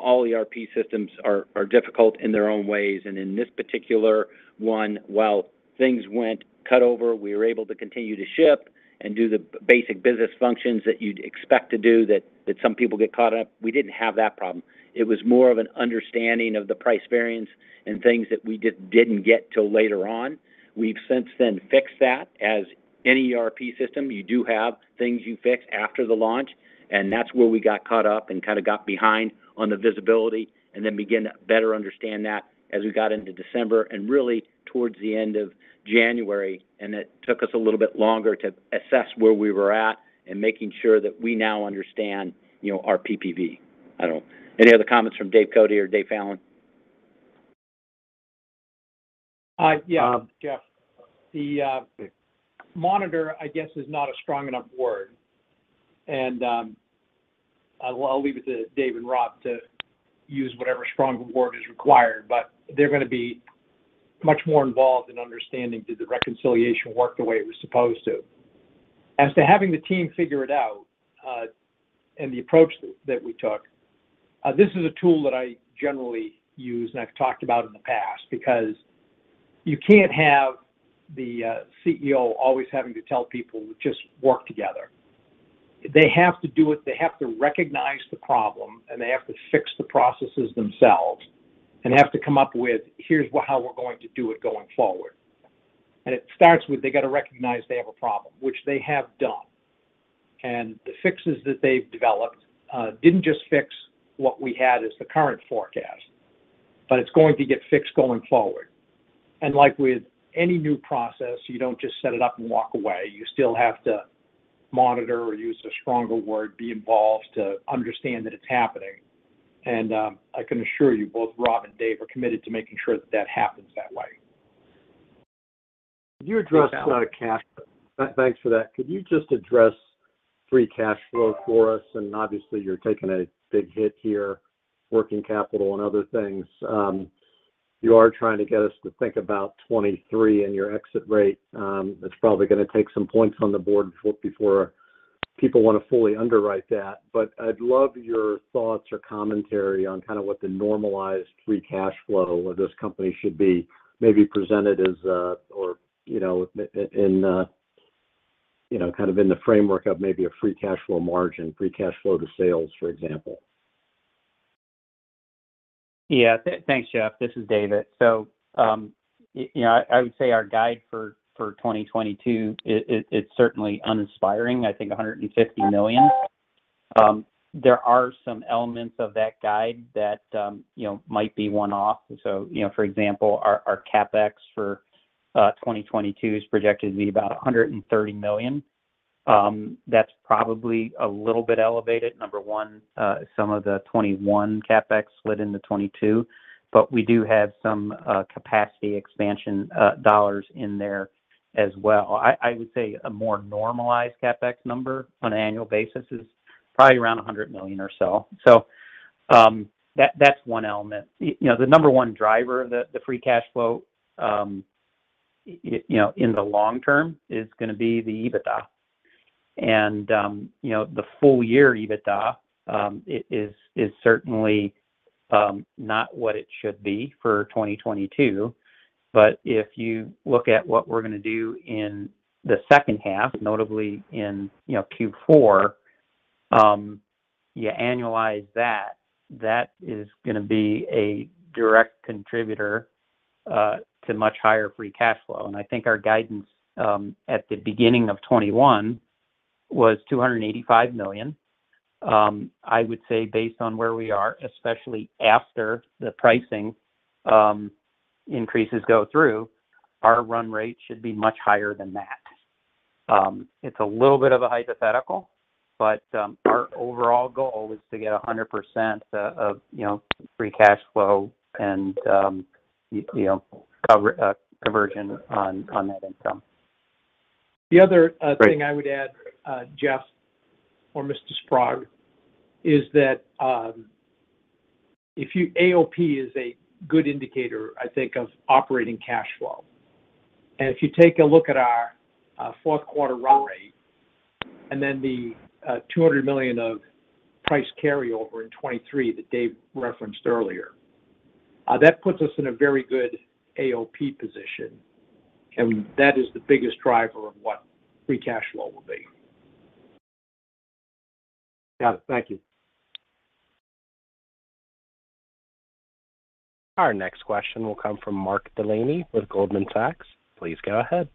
all ERP systems are difficult in their own ways. In this particular one, while things went cut over, we were able to continue to ship and do the basic business functions that you'd expect to do that some people get caught up. We didn't have that problem. It was more of an understanding of the price variance and things that we didn't get till later on. We've since then fixed that. As any ERP system, you do have things you fix after the launch, and that's where we got caught up and kind of got behind on the visibility, and then begin to better understand that as we got into December and really towards the end of January. It took us a little bit longer to assess where we were at and making sure that we now understand, you know, our PPV. Any other comments from Dave Cote or David Fallon? Yeah, Jeff. The monitor I guess is not a strong enough word. I'll leave it to David and Rob to use whatever strong word is required. They're gonna be much more involved in understanding, did the reconciliation work the way it was supposed to? As to having the team figure it out, and the approach that we took, this is a tool that I generally use, and I've talked about in the past. Because you can't have the CEO always having to tell people to just work together. They have to do it. They have to recognize the problem, and they have to fix the processes themselves, and have to come up with, "Here's how we're going to do it going forward." It starts with they got to recognize they have a problem, which they have done. The fixes that they've developed didn't just fix what we had as the current forecast, but it's going to get fixed going forward. Like with any new process, you don't just set it up and walk away. You still have to monitor, or use a stronger word, be involved to understand that it's happening. I can assure you both Rob and David are committed to making sure that that happens that way. Could you address cash? So- Thanks for that. Could you just address free cash flow for us? Obviously you're taking a big hit here, working capital and other things. You are trying to get us to think about 2023 and your exit rate. It's probably gonna take some points on the board before people want to fully underwrite that. I'd love your thoughts or commentary on kind of what the normalized free cash flow of this company should be. Maybe present it as a or, you know, in, you know, kind of in the framework of maybe a free cash flow margin, free cash flow to sales, for example. Yeah. Thanks, Jeff. This is David. You know, I would say our guide for 2022 is certainly uninspiring, I think $150 million. There are some elements of that guide that, you know, might be one-off. You know, for example, our CapEx for 2022 is projected to be about $130 million. That's probably a little bit elevated. Number one, some of the 2021 CapEx split into 2022, but we do have some capacity expansion dollars in there as well. I would say a more normalized CapEx number on an annual basis is probably around $100 million or so. That's one element. You know, the number one driver, the free cash flow, you know, in the long term is gonna be the EBITDA. You know, the full year EBITDA is certainly not what it should be for 2022. If you look at what we're gonna do in the second half, notably in you know, Q4, you annualize that is gonna be a direct contributor to much higher free cash flow. I think our guidance at the beginning of 2021 was $285 million. I would say based on where we are, especially after the pricing increases go through, our run rate should be much higher than that. It's a little bit of a hypothetical, but our overall goal is to get 100% of you know, free cash flow and you know, cover conversion on that income. The other thing I would add, Jeff, or Mr. Sprague, is that AOP is a good indicator, I think, of operating cash flow. If you take a look at our fourth quarter run rate and then the $200 million of price carryover in 2023 that Dave referenced earlier, that puts us in a very good AOP position, and that is the biggest driver of what free cash flow will be. Got it. Thank you. Our next question will come from Mark Delaney with Goldman Sachs. Please go ahead.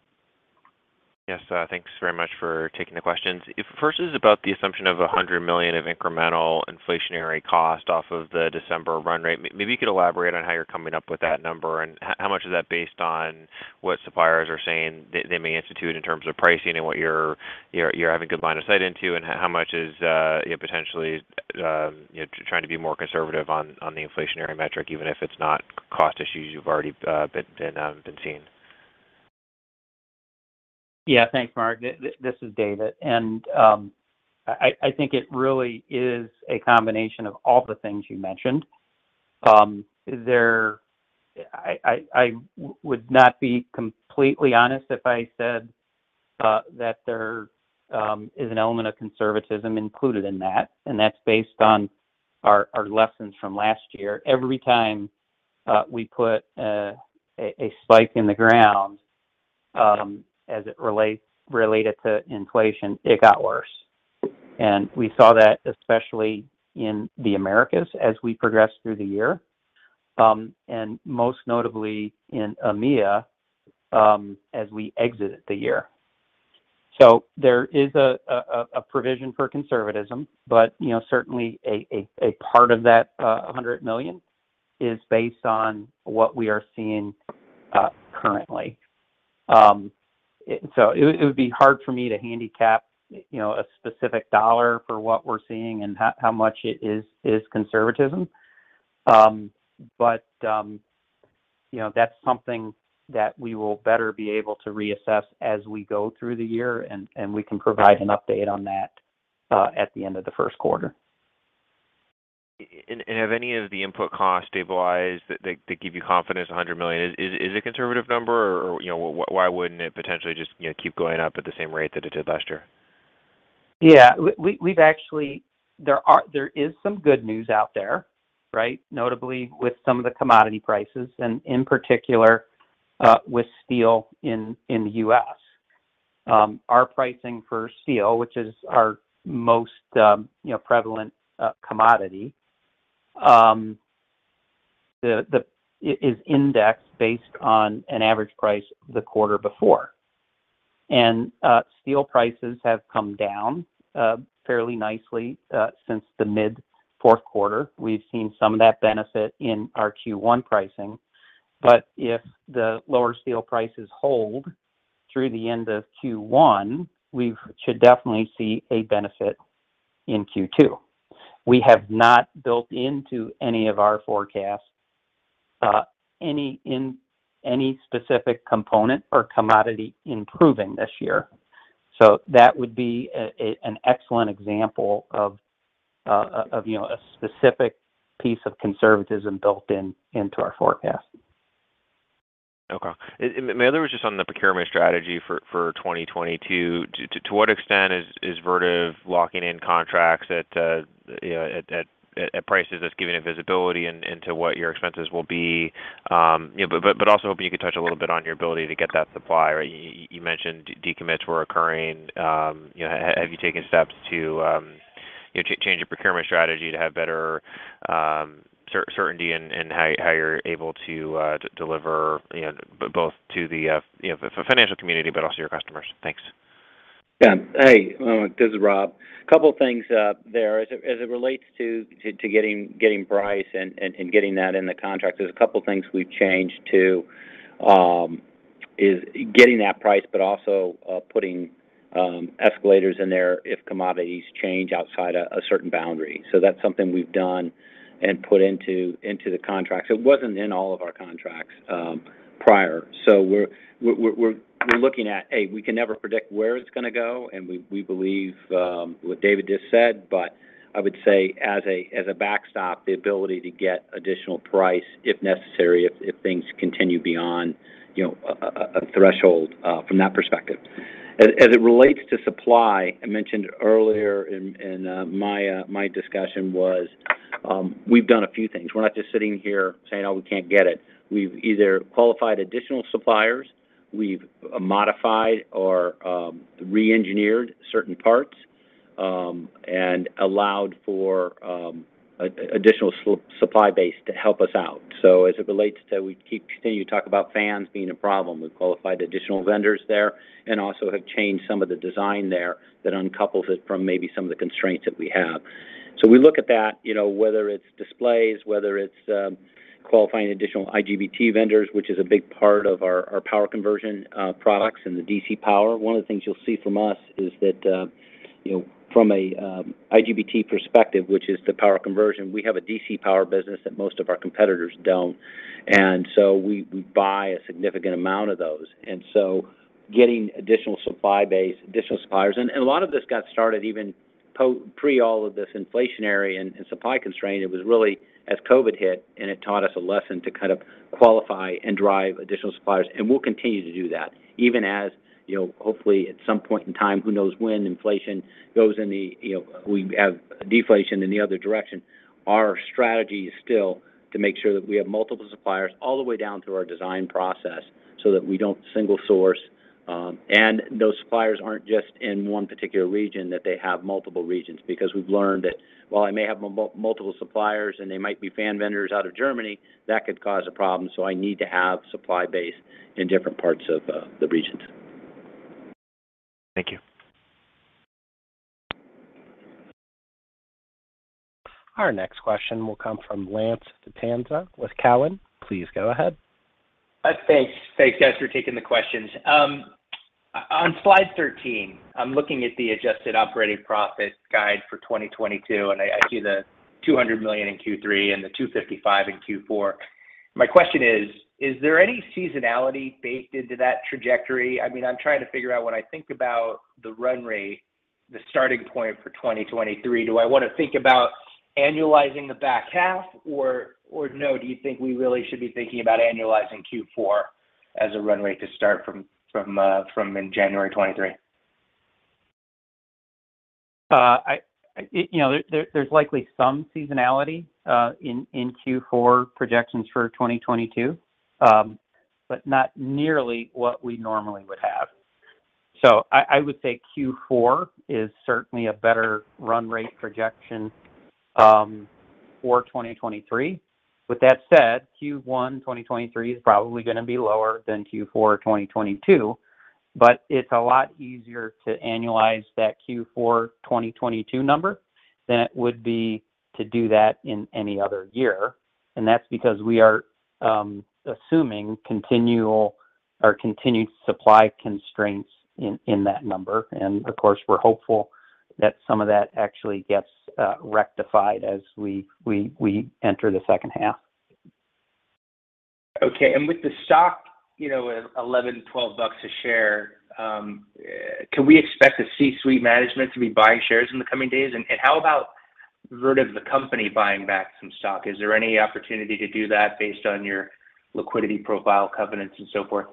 Yes. Thanks very much for taking the questions. First is about the assumption of $100 million of incremental inflationary cost off of the December run rate. Maybe you could elaborate on how you're coming up with that number, and how much of that based on what suppliers are saying they may institute in terms of pricing and what you're having good line of sight into? And how much is, you know, potentially, you know, trying to be more conservative on the inflationary metric, even if it's not cost issues you've already been seeing? Yeah. Thanks, Mark. This is David. I think it really is a combination of all the things you mentioned. I would not be completely honest if I said that there is an element of conservatism included in that, and that's based on our lessons from last year. Every time we put a spike in the ground related to inflation, it got worse. We saw that especially in the Americas as we progressed through the year, and most notably in EMEA, as we exited the year. There is a provision for conservatism, but you know, certainly a part of that $100 million is based on what we are seeing currently. It would be hard for me to handicap, you know, a specific dollar for what we're seeing and how much it is conservatism. You know, that's something that we will better be able to reassess as we go through the year, and we can provide an update on that at the end of the first quarter. Have any of the input costs stabilized that they give you confidence $100 million is a conservative number, or, you know, why wouldn't it potentially just, you know, keep going up at the same rate that it did last year? Yeah. We've actually. There is some good news out there, right? Notably with some of the commodity prices and in particular, with steel in the U.S. Our pricing for steel, which is our most, you know, prevalent commodity, is indexed based on an average price the quarter before. Steel prices have come down fairly nicely since the mid fourth quarter. We've seen some of that benefit in our Q1 pricing. If the lower steel prices hold through the end of Q1, we should definitely see a benefit in Q2. We have not built into any of our forecasts any specific component or commodity improving this year. That would be an excellent example of, you know, a specific piece of conservatism built into our forecast. Okay. My other was just on the procurement strategy for 2022. To what extent is Vertiv locking in contracts at, you know, at prices that's giving it visibility into what your expenses will be? You know, but also hoping you could touch a little bit on your ability to get that supply. Right? You mentioned decommits were occurring. You know, have you taken steps to, you know, change your procurement strategy to have better certainty in how you're able to deliver, you know, both to the, you know, the financial community, but also your customers? Thanks. Yeah. Hey, this is Rob. A couple things there. As it relates to getting price and getting that in the contract, there's a couple things we've changed, too, is getting that price but also putting escalators in there if commodities change outside a certain boundary. That's something we've done and put into the contracts. It wasn't in all of our contracts prior. We're looking at. We can never predict where it's gonna go, and we believe what David just said. But I would say as a backstop, the ability to get additional price if necessary if things continue beyond, you know, a threshold from that perspective. As it relates to supply, I mentioned earlier in my discussion, we've done a few things. We're not just sitting here saying, "Oh, we can't get it." We've either qualified additional suppliers, we've modified or reengineered certain parts, and allowed for additional supply base to help us out. As it relates to, we keep continuing to talk about fans being a problem. We've qualified additional vendors there and also have changed some of the design there that uncouples it from maybe some of the constraints that we have. We look at that, you know, whether it's displays, whether it's qualifying additional IGBT vendors, which is a big part of our power conversion products and the DC power. One of the things you'll see from us is that, You know, from a IGBT perspective, which is the power conversion, we have a DC power business that most of our competitors don't. We buy a significant amount of those, getting additional supply base, additional suppliers. A lot of this got started even pre all of this inflationary and supply constraint. It was really as COVID hit, and it taught us a lesson to kind of qualify and drive additional suppliers, and we'll continue to do that. Even as you know, hopefully at some point in time, who knows when inflation goes in the. You know, we have deflation in the other direction, our strategy is still to make sure that we have multiple suppliers all the way down through our design process so that we don't single source, and those suppliers aren't just in one particular region, that they have multiple regions. Because we've learned that while I may have multiple suppliers and they might be fan vendors out of Germany, that could cause a problem, so I need to have supply base in different parts of the regions. Thank you. Our next question will come from Lance Vitanza with Cowen. Please go ahead. Thanks, guys, for taking the questions. On slide 13, I'm looking at the adjusted operating profit guide for 2022, and I see the $200 million in Q3 and the $255 million in Q4. My question is there any seasonality baked into that trajectory? I mean, I'm trying to figure out when I think about the run rate, the starting point for 2023, do I wanna think about annualizing the back half? Or no, do you think we really should be thinking about annualizing Q4 as a run rate to start from in January 2023? You know, there's likely some seasonality in Q4 projections for 2022, not nearly what we normally would have. I would say Q4 is certainly a better run rate projection for 2023. With that said, Q1 2023 is probably gonna be lower than Q4 2022, but it's a lot easier to annualize that Q4 2022 number than it would be to do that in any other year, and that's because we are assuming continual or continued supply constraints in that number. Of course, we're hopeful that some of that actually gets rectified as we enter the second half. Okay. With the stock, you know, at $11-$12 a share, can we expect C-suite management to be buying shares in the coming days? How about Vertiv the company buying back some stock? Is there any opportunity to do that based on your liquidity profile covenants and so forth?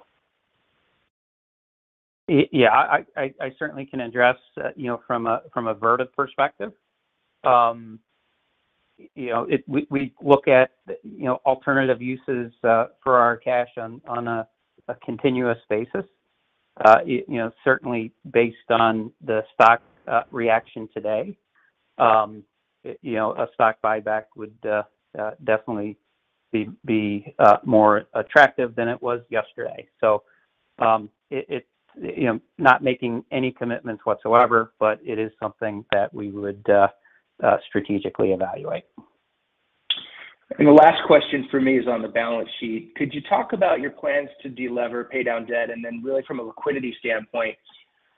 Yeah. I certainly can address, you know, from a Vertiv perspective. You know, we look at, you know, alternative uses for our cash on a continuous basis. You know, certainly based on the stock reaction today, you know, a stock buyback would definitely be more attractive than it was yesterday. You know, not making any commitments whatsoever, but it is something that we would strategically evaluate. The last question from me is on the balance sheet. Could you talk about your plans to de-lever, pay down debt, and then really from a liquidity standpoint,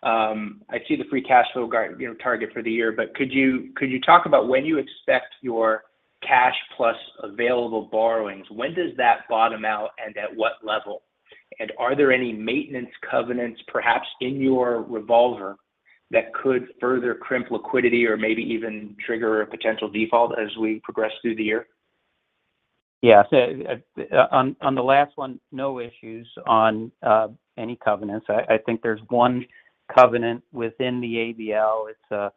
I see the free cash flow you know, target for the year, but could you talk about when you expect your cash plus available borrowings, when does that bottom out and at what level? Are there any maintenance covenants perhaps in your revolver that could further crimp liquidity or maybe even trigger a potential default as we progress through the year? Yeah. On the last one, no issues on any covenants. I think there's one covenant within the ABL. It's a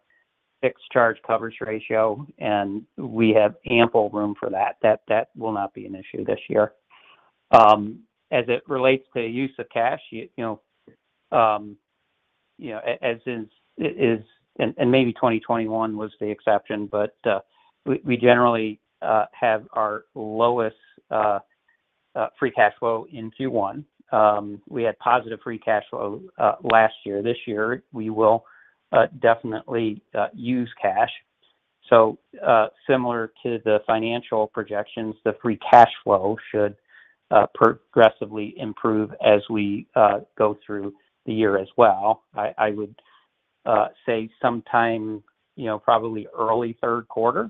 fixed charge coverage ratio, and we have ample room for that. That will not be an issue this year. As it relates to use of cash, you know, as is, and maybe 2021 was the exception, but we generally have our lowest free cash flow in Q1. We had positive free cash flow last year. This year, we will definitely use cash. Similar to the financial projections, the free cash flow should progressively improve as we go through the year as well. I would say sometime, you know, probably early third quarter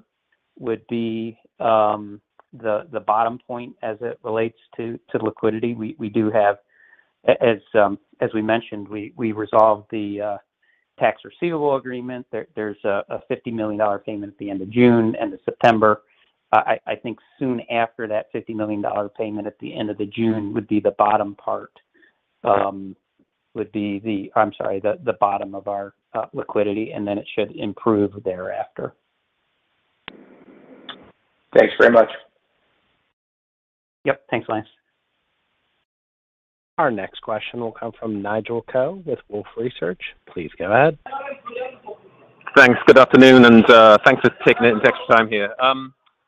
would be the bottom point as it relates to liquidity. We do have. As, as we mentioned, we resolved the Tax Receivable Agreement. There's a $50 million payment at the end of June, end of September. I think soon after that $50 million payment at the end of June would be the bottom of our liquidity, and then it should improve thereafter. Thanks very much. Yep. Thanks, Lance. Our next question will come from Nigel Coe with Wolfe Research. Please go ahead. Thanks. Good afternoon, and thanks for taking it. It's extra time here.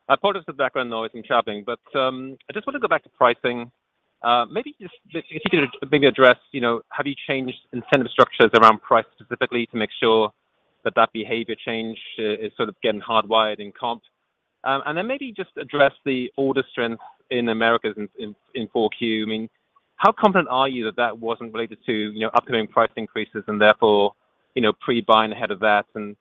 Apologies for the background noise and chatting, but I just wanna go back to pricing. Maybe just if you could maybe address, you know, have you changed incentive structures around price specifically to make sure that that behavior change is sort of getting hardwired in comp? And then maybe just address the order strength in Americas in 4Q. I mean, how confident are you that that wasn't related to, you know, upcoming price increases and therefore, you know, pre-buying ahead of that? And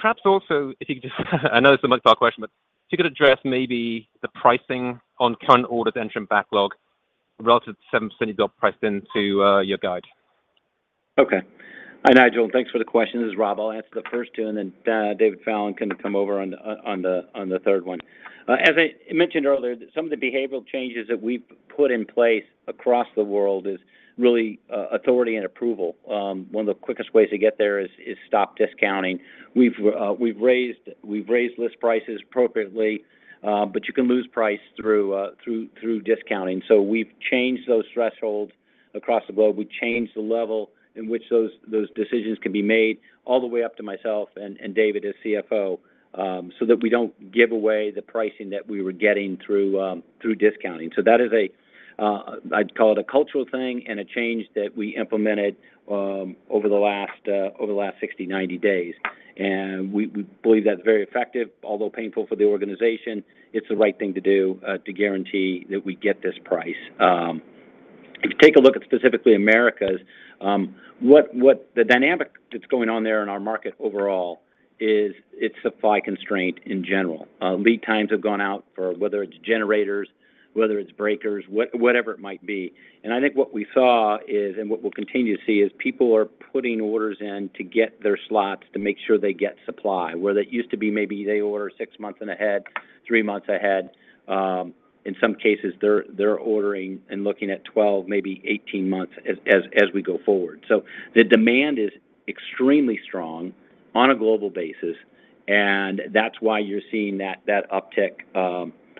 perhaps also if you could just, I know this is a multi-part question, but if you could address maybe the pricing on current orders in-transit backlog relative to some percent of your price then to your guide. Okay. Hi Nigel, thanks for the question. This is Rob. I'll answer the first two, and then David Fallon can come over on the third one. As I mentioned earlier, some of the behavioral changes that we've put in place across the world is really authority and approval. One of the quickest ways to get there is stop discounting. We've raised list prices appropriately, but you can lose price through discounting. So we've changed those thresholds across the globe. We've changed the level in which those decisions can be made all the way up to myself and David as CFO, so that we don't give away the pricing that we were getting through discounting. That is a, I'd call it, a cultural thing and a change that we implemented over the last 60, 90 days. We believe that's very effective, although painful for the organization. It's the right thing to do to guarantee that we get this price. If you take a look at specifically Americas, what the dynamic that's going on there in our market overall is it's supply constraint in general. Lead times have gone out for whether it's generators, whether it's breakers, whatever it might be. I think what we saw is, and what we'll continue to see, is people are putting orders in to get their slots to make sure they get supply. Where that used to be maybe they order six months ahead, three months ahead, in some cases they're ordering and looking at 12, maybe 18 months as we go forward. The demand is extremely strong on a global basis, and that's why you're seeing that uptick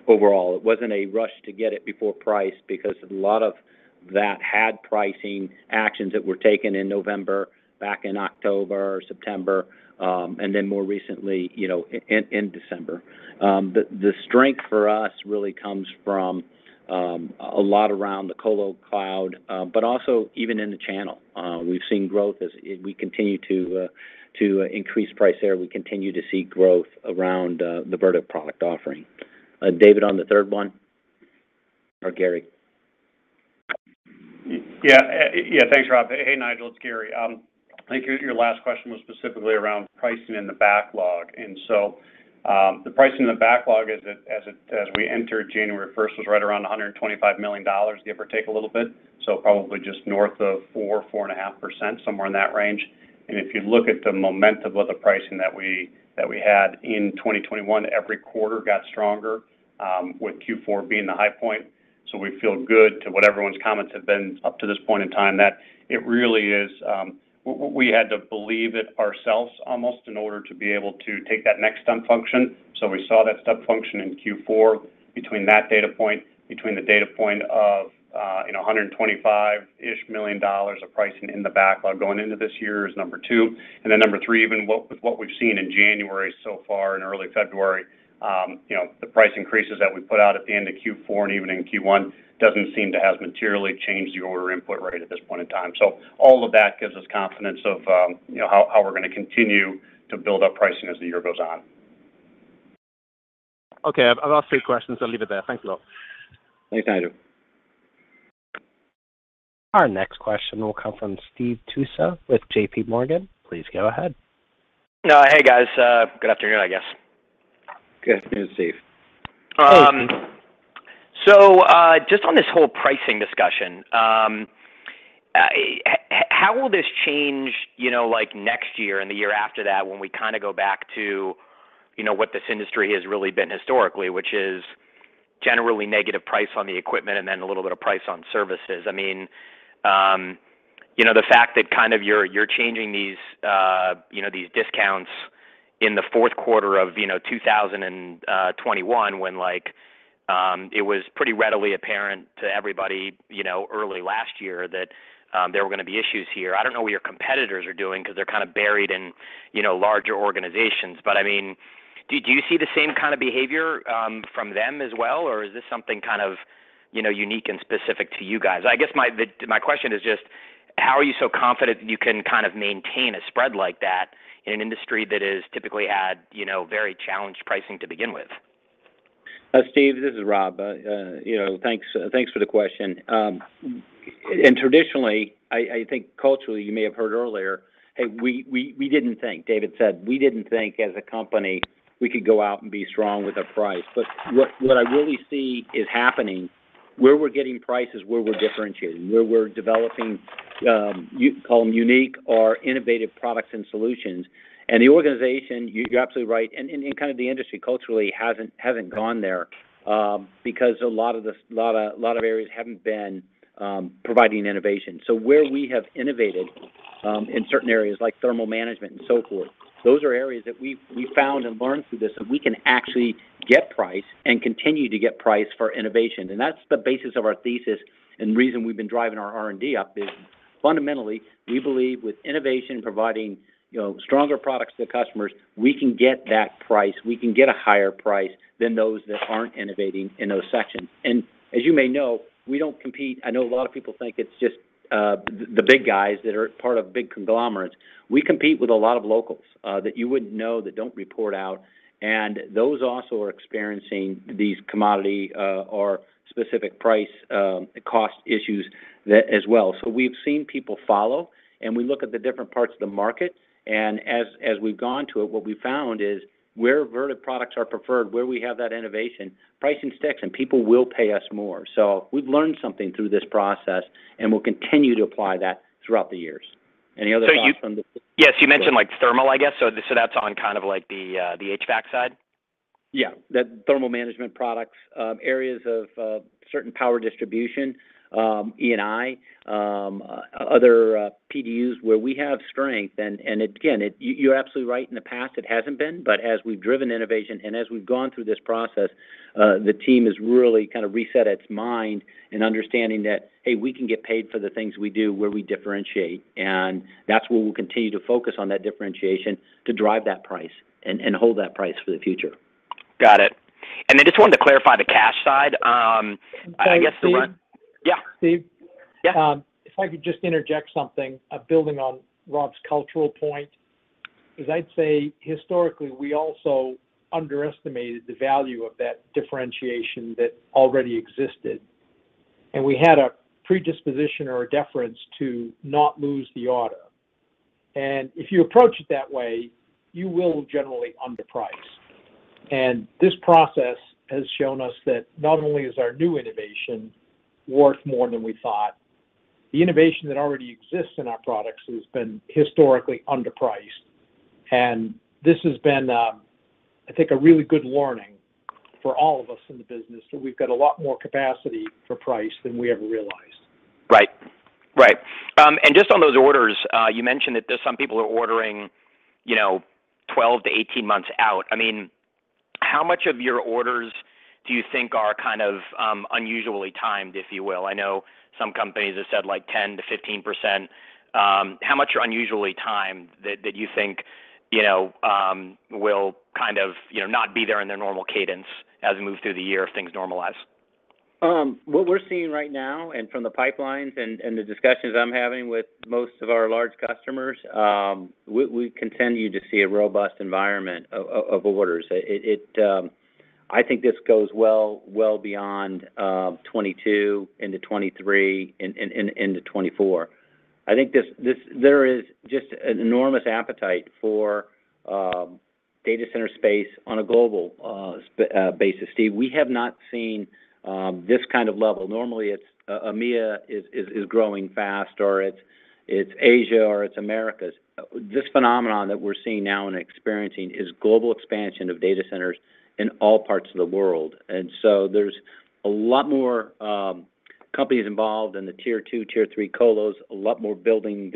overall. It wasn't a rush to get it before price because a lot of that had pricing actions that were taken in November, back in October, September, and then more recently, you know, in December. The strength for us really comes from a lot around the colo cloud, but also even in the channel. We've seen growth as we continue to increase price there. We continue to see growth around the Vertiv product offering. David, on the third one? Or Gary. Yeah. Yeah, thanks Rob. Hey Nigel, it's Gary. I think your last question was specifically around pricing in the backlog. The pricing in the backlog as we entered January 1 was right around $125 million, give or take a little bit. Probably just north of 4%-4.5%, somewhere in that range. If you look at the momentum of the pricing that we had in 2021, every quarter got stronger, with Q4 being the high point. We feel good to what everyone's comments have been up to this point in time, that it really is, we had to believe it ourselves almost in order to be able to take that next step function. We saw that step function in Q4 between the data point of $125 million-ish of pricing in the backlog going into this year is number two. Number three, even with what we've seen in January so far in early February, you know, the price increases that we put out at the end of Q4 and even in Q1 doesn't seem to have materially changed the order input rate at this point in time. All of that gives us confidence of you know how we're gonna continue to build up pricing as the year goes on. Okay. I've asked three questions. I'll leave it there. Thanks a lot. Thanks, Nigel. Our next question will come from Steve Tusa with JPMorgan. Please go ahead. No. Hey guys. Good afternoon, I guess. Good afternoon, Steve. Just on this whole pricing discussion, how will this change, you know, like next year and the year after that when we kind of go back to, you know, what this industry has really been historically, which is generally negative price on the equipment and then a little bit of price on services? I mean, you know, the fact that kind of you're changing these, you know, these discounts in the fourth quarter of 2021 when like it was pretty readily apparent to everybody, you know, early last year that there were gonna be issues here. I don't know what your competitors are doing 'cause they're kind of buried in, you know, larger organizations. But I mean, do you see the same kind of behavior from them as well? Is this something kind of, you know, unique and specific to you guys? I guess my question is just how are you so confident that you can kind of maintain a spread like that in an industry that has typically had, you know, very challenged pricing to begin with? Steve, this is Rob. You know, thanks for the question. Traditionally, I think culturally, you may have heard earlier. David said, "We didn't think as a company we could go out and be strong with our price." What I really see is happening, where we're getting price is where we're differentiating, where we're developing, you can call them unique or innovative products and solutions. The organization, you're absolutely right, and kind of the industry culturally hasn't gone there, because a lot of areas haven't been providing innovation. Where we have innovated in certain areas like thermal management and so forth, those are areas that we found and learned through this that we can actually get price and continue to get price for innovation. That's the basis of our thesis and reason we've been driving our R&D up. Fundamentally, we believe with innovation providing, you know, stronger products to the customers, we can get that price. We can get a higher price than those that aren't innovating in those sections. As you may know, we don't compete. I know a lot of people think it's just the big guys that are part of big conglomerates. We compete with a lot of locals that you wouldn't know that don't report out, and those also are experiencing these commodity or specific price cost issues as well. We've seen people follow, and we look at the different parts of the market. As we've gone to it, what we've found is where Vertiv products are preferred, where we have that innovation, pricing sticks and people will pay us more. We've learned something through this process, and we'll continue to apply that throughout the years. Any other thoughts on this? Yes, you mentioned like thermal, I guess. That's on kind of like the HVAC side? Yeah. The thermal management products, areas of certain power distribution, E&I, other PDUs where we have strength and again, you're absolutely right. In the past, it hasn't been, but as we've driven innovation and as we've gone through this process, the team has really kind of reset its mind in understanding that, "Hey, we can get paid for the things we do, where we differentiate." That's where we'll continue to focus on that differentiation to drive that price and hold that price for the future. Got it. I just wanted to clarify the cash side. I guess the one- Hey, Steve. Yeah. Steve? Yeah. If I could just interject something, building on Rob's cultural point, I'd say historically, we also underestimated the value of that differentiation that already existed. We had a predisposition or a deference to not lose the order. If you approach it that way, you will generally underprice. This process has shown us that not only is our new innovation worth more than we thought, the innovation that already exists in our products has been historically underpriced. This has been, I think a really good learning for all of us in the business, that we've got a lot more capacity for price than we ever realized. Right. Just on those orders, you mentioned that there's some people are ordering, you know, 12 to 18 months out. I mean, how much of your orders do you think are kind of unusually timed, if you will? I know some companies have said like 10%-15%. How much are unusually timed that you think, you know, will kind of, you know, not be there in their normal cadence as we move through the year, if things normalize? What we're seeing right now and from the pipelines and the discussions I'm having with most of our large customers, we continue to see a robust environment of orders. I think this goes well beyond 2022 into 2023 and into 2024. There is just an enormous appetite for data center space on a global basis. Steve, we have not seen this kind of level. Normally it's EMEA growing fast or it's Asia or it's Americas. This phenomenon that we're seeing now and experiencing is global expansion of data centers in all parts of the world. There's a lot more companies involved in the tier two, tier three colos, a lot more building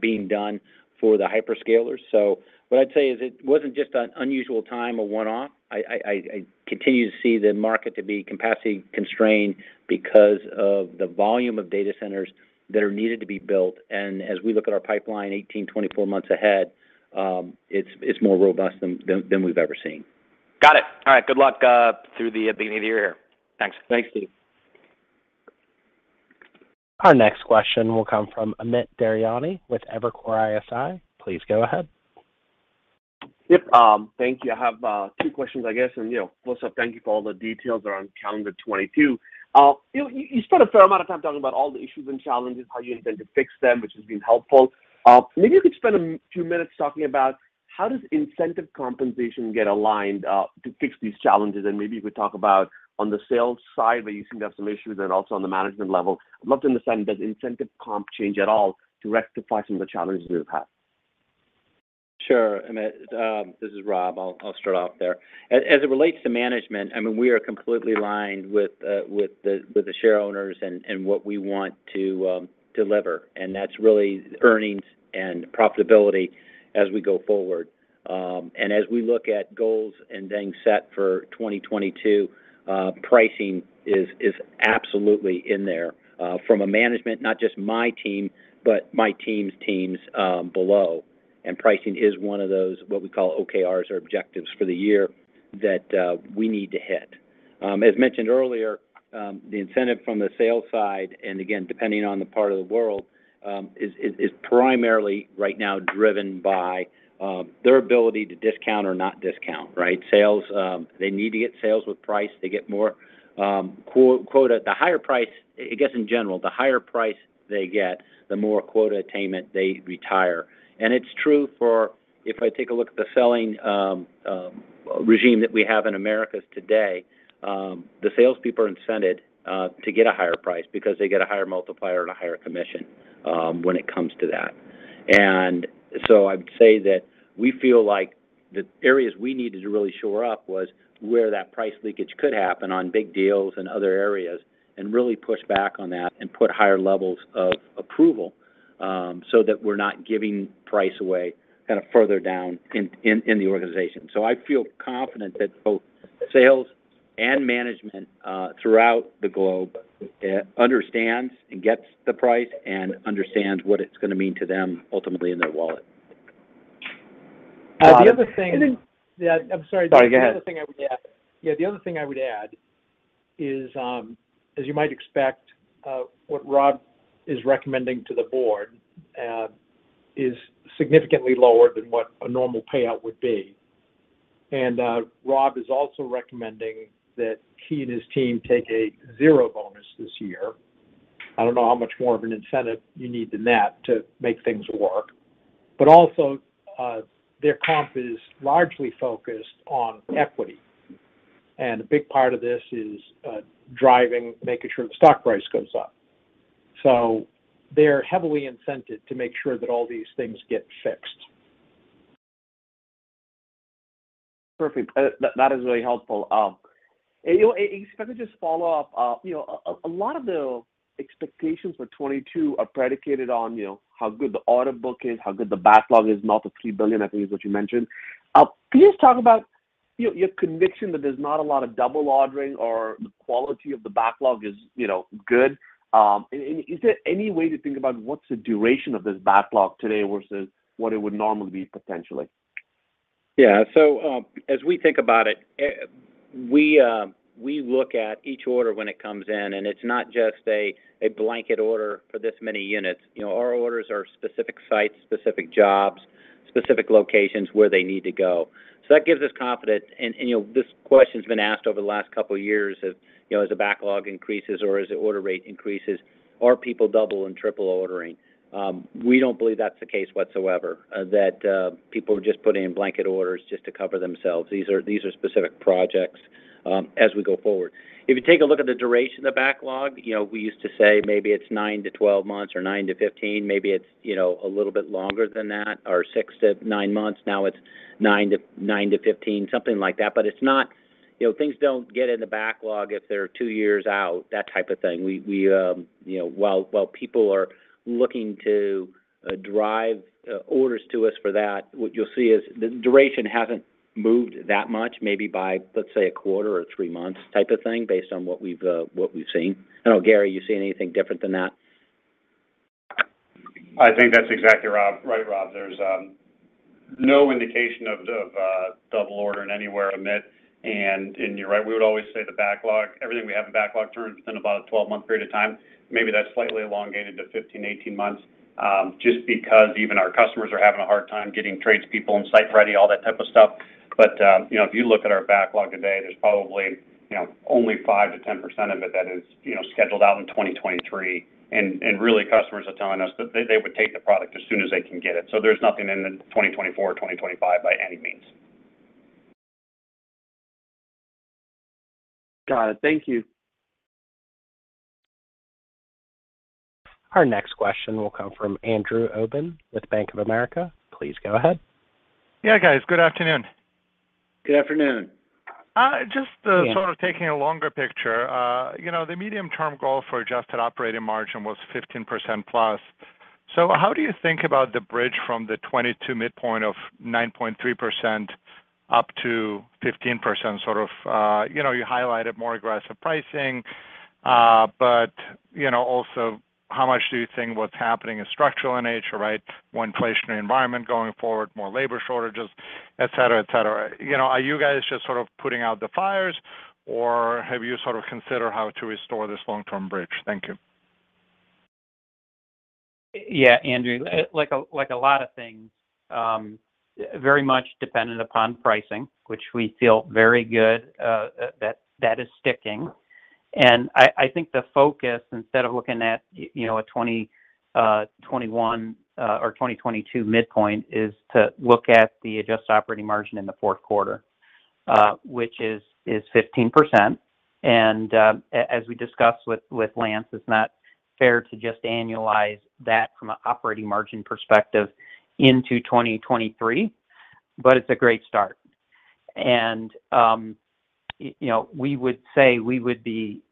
being done for the hyperscalers. What I'd say is it wasn't just an unusual time, a one-off. I continue to see the market to be capacity constrained because of the volume of data centers that are needed to be built. As we look at our pipeline 18, 24 months ahead, it's more robust than we've ever seen. Got it. All right. Good luck through the beginning of the year. Thanks. Thanks, Steve. Our next question will come from Amit Daryanani with Evercore ISI. Please go ahead. Yep. Thank you. I have two questions, I guess. You know, first up, thank you for all the details around calendar 2022. You spent a fair amount of time talking about all the issues and challenges, how you intend to fix them, which has been helpful. Maybe you could spend a few minutes talking about how does incentive compensation get aligned to fix these challenges? Maybe you could talk about on the sales side where you seem to have some issues and also on the management level. I'd love to understand, does incentive comp change at all to rectify some of the challenges we've had? Sure, Amit. This is Rob. I'll start off there. As it relates to management, I mean, we are completely aligned with the shareowners and what we want to deliver, and that's really earnings and profitability as we go forward. As we look at goals and things set for 2022, pricing is absolutely in there from a management, not just my team, but my team's teams below. Pricing is one of those, what we call OKRs or objectives for the year that we need to hit. As mentioned earlier, the incentive from the sales side, and again, depending on the part of the world, is primarily right now driven by their ability to discount or not discount, right? Sales, they need to get sales with price. They get more quota. The higher price they get, I guess in general, the more quota attainment they retire. It's true for if I take a look at the selling regime that we have in Americas today, the salespeople are incented to get a higher price because they get a higher multiplier and a higher commission when it comes to that. I'd say that we feel like the areas we needed to really shore up was where that price leakage could happen on big deals and other areas, and really push back on that and put higher levels of approval, so that we're not giving price away kind of further down in the organization. I feel confident that both sales- Management throughout the globe understands and gets the price and understands what it's gonna mean to them ultimately in their wallet. The other thing- Yeah, I'm sorry. Sorry. Go ahead. The other thing I would add is, as you might expect, what Rob is recommending to the board is significantly lower than what a normal payout would be. Rob is also recommending that he and his team take a zero bonus this year. I don't know how much more of an incentive you need than that to make things work. Their comp is largely focused on equity, and a big part of this is driving, making sure the stock price goes up. They're heavily incented to make sure that all these things get fixed. Perfect. That is really helpful. You know, if I could just follow up. You know, a lot of the expectations for 2022 are predicated on, you know, how good the order book is, how good the backlog is, north of $3 billion, I think is what you mentioned. Can you just talk about your conviction that there's not a lot of double ordering or the quality of the backlog is, you know, good? Is there any way to think about what's the duration of this backlog today versus what it would normally be potentially? As we think about it, we look at each order when it comes in, and it's not just a blanket order for this many units. You know, our orders are specific sites, specific jobs, specific locations where they need to go. That gives us confidence. You know, this question's been asked over the last couple years as, you know, as the backlog increases or as the order rate increases, are people double and triple ordering? We don't believe that's the case whatsoever, that people are just putting in blanket orders just to cover themselves. These are specific projects as we go forward. If you take a look at the duration of the backlog, you know, we used to say maybe it's 9-12 months or 9-15. Maybe it's, you know, a little bit longer than that, or six to nine months. Now it's 9-15, something like that. But it's not. You know, things don't get in the backlog if they're two years out, that type of thing. We, you know, while people are looking to drive orders to us for that, what you'll see is the duration hasn't moved that much, maybe by, let's say, a quarter or three months type of thing based on what we've seen. I don't know, Gary, you seeing anything different than that? I think that's exactly right, Rob. There's no indication of double ordering anywhere amid. You're right, we would always say the backlog, everything we have in backlog turns within about a 12-month period of time. Maybe that's slightly elongated to 15, 18 months, just because even our customers are having a hard time getting tradespeople and site ready, all that type of stuff. You know, if you look at our backlog today, there's probably, you know, only 5%-10% of it that is, you know, scheduled out in 2023. Really, customers are telling us that they would take the product as soon as they can get it. There's nothing in 2024 or 2025 by any means. Got it. Thank you. Our next question will come from Andrew Obin with Bank of America. Please go ahead. Yeah, guys, good afternoon. Good afternoon. Uh, just, uh- Yeah Sort of taking a longer picture. You know, the medium-term goal for adjusted operating margin was 15%+. How do you think about the bridge from the 2022 midpoint of 9.3% up to 15%? You know, you highlighted more aggressive pricing. You know, also how much do you think what's happening is structural in nature, right? One, inflationary environment going forward, more labor shortages, et cetera, et cetera. You know, are you guys just sort of putting out the fires, or have you sort of considered how to restore this long-term bridge? Thank you. Yeah, Andrew, like a lot of things, very much dependent upon pricing, which we feel very good that is sticking. I think the focus, instead of looking at you know, a 2020, 2021, or 2022 midpoint, is to look at the adjusted operating margin in the fourth quarter, which is 15%. As we discussed with Lance, it's not fair to just annualize that from an operating margin perspective into 2023, but it's a great start. You know, we would say we would be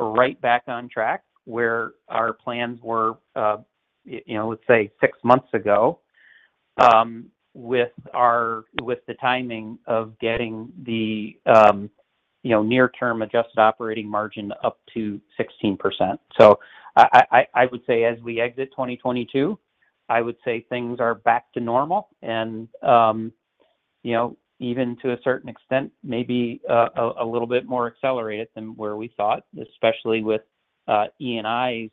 right back on track where our plans were, you know, let's say six months ago, with the timing of getting the, you know, near-term adjusted operating margin up to 16%. I would say as we exit 2022, things are back to normal and, you know, even to a certain extent, maybe a little bit more accelerated than where we thought, especially with E&I's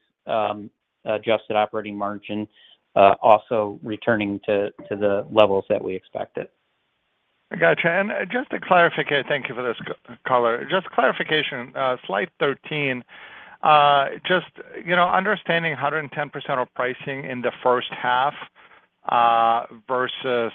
adjusted operating margin also returning to the levels that we expected. Gotcha. Just to clarify. Thank you for this color. Just clarification, slide 13, just, you know, understanding 110% of pricing in the first half, versus,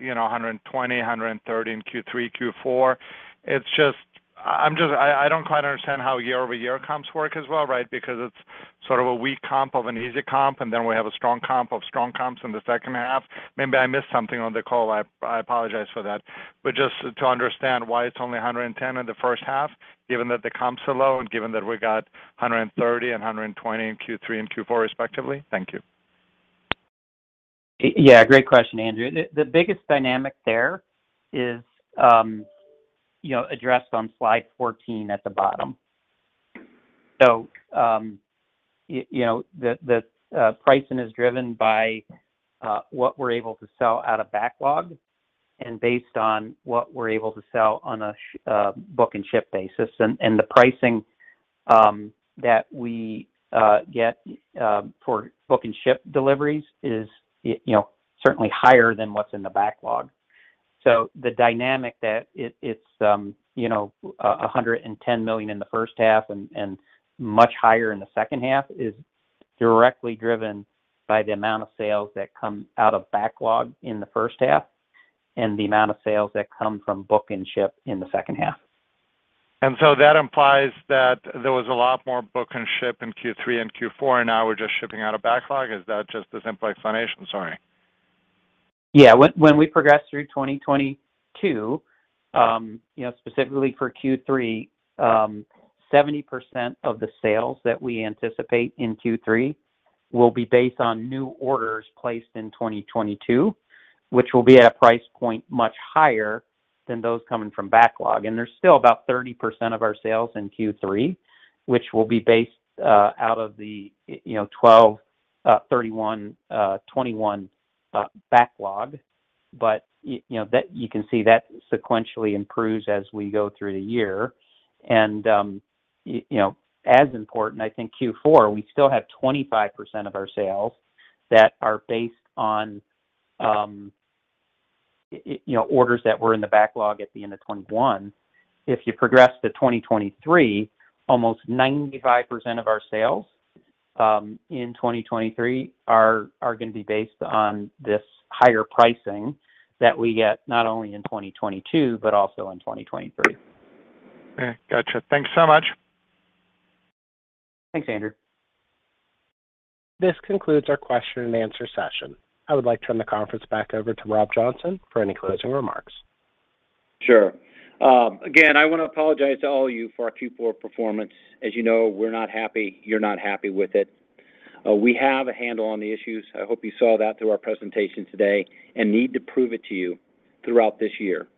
you know, 120, 130 in Q3, Q4, it's just I don't quite understand how year-over-year comps work as well, right? Because it's sort of a weak comp of an easy comp, and then we have a strong comp of strong comps in the second half. Maybe I missed something on the call. I apologize for that. Just to understand why it's only 110 in the first half, given that the comps are low and given that we got 130 and 120 in Q3 and Q4 respectively. Thank you. Yeah, great question, Andrew. The biggest dynamic there is, you know, addressed on slide 14 at the bottom. You know, the pricing is driven by what we're able to sell out of backlog and based on what we're able to sell on a book and ship basis. The pricing that we get for book and ship deliveries is, you know, certainly higher than what's in the backlog. The dynamic that it's, you know, $110 million in the first half and much higher in the second half is directly driven by the amount of sales that come out of backlog in the first half and the amount of sales that come from book and ship in the second half. that implies that there was a lot more book and ship in Q3 and Q4, and now we're just shipping out a backlog. Is that just the simple explanation? Sorry. Yeah. When we progress through 2022, you know, specifically for Q3, 70% of the sales that we anticipate in Q3 will be based on new orders placed in 2022, which will be at a price point much higher than those coming from backlog. There's still about 30% of our sales in Q3, which will be based out of the 12/31/2021 backlog. You know, that you can see that sequentially improves as we go through the year. You know, as important, I think Q4, we still have 25% of our sales that are based on, you know, orders that were in the backlog at the end of 2021. If you progress to 2023, almost 95% of our sales in 2023 are gonna be based on this higher pricing that we get, not only in 2022, but also in 2023. Okay. Gotcha. Thanks so much. Thanks, Andrew. This concludes our question and answer session. I would like to turn the conference back over to Rob Johnson for any closing remarks. Sure. Again, I want to apologize to all of you for our Q4 performance. As you know, we're not happy. You're not happy with it. We have a handle on the issues. I hope you saw that through our presentation today, and need to prove it to you throughout this year.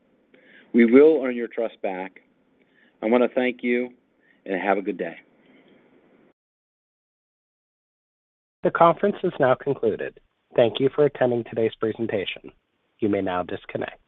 We will earn your trust back. I want to thank you, and have a good day. The conference is now concluded. Thank you for attending today's presentation. You may now disconnect.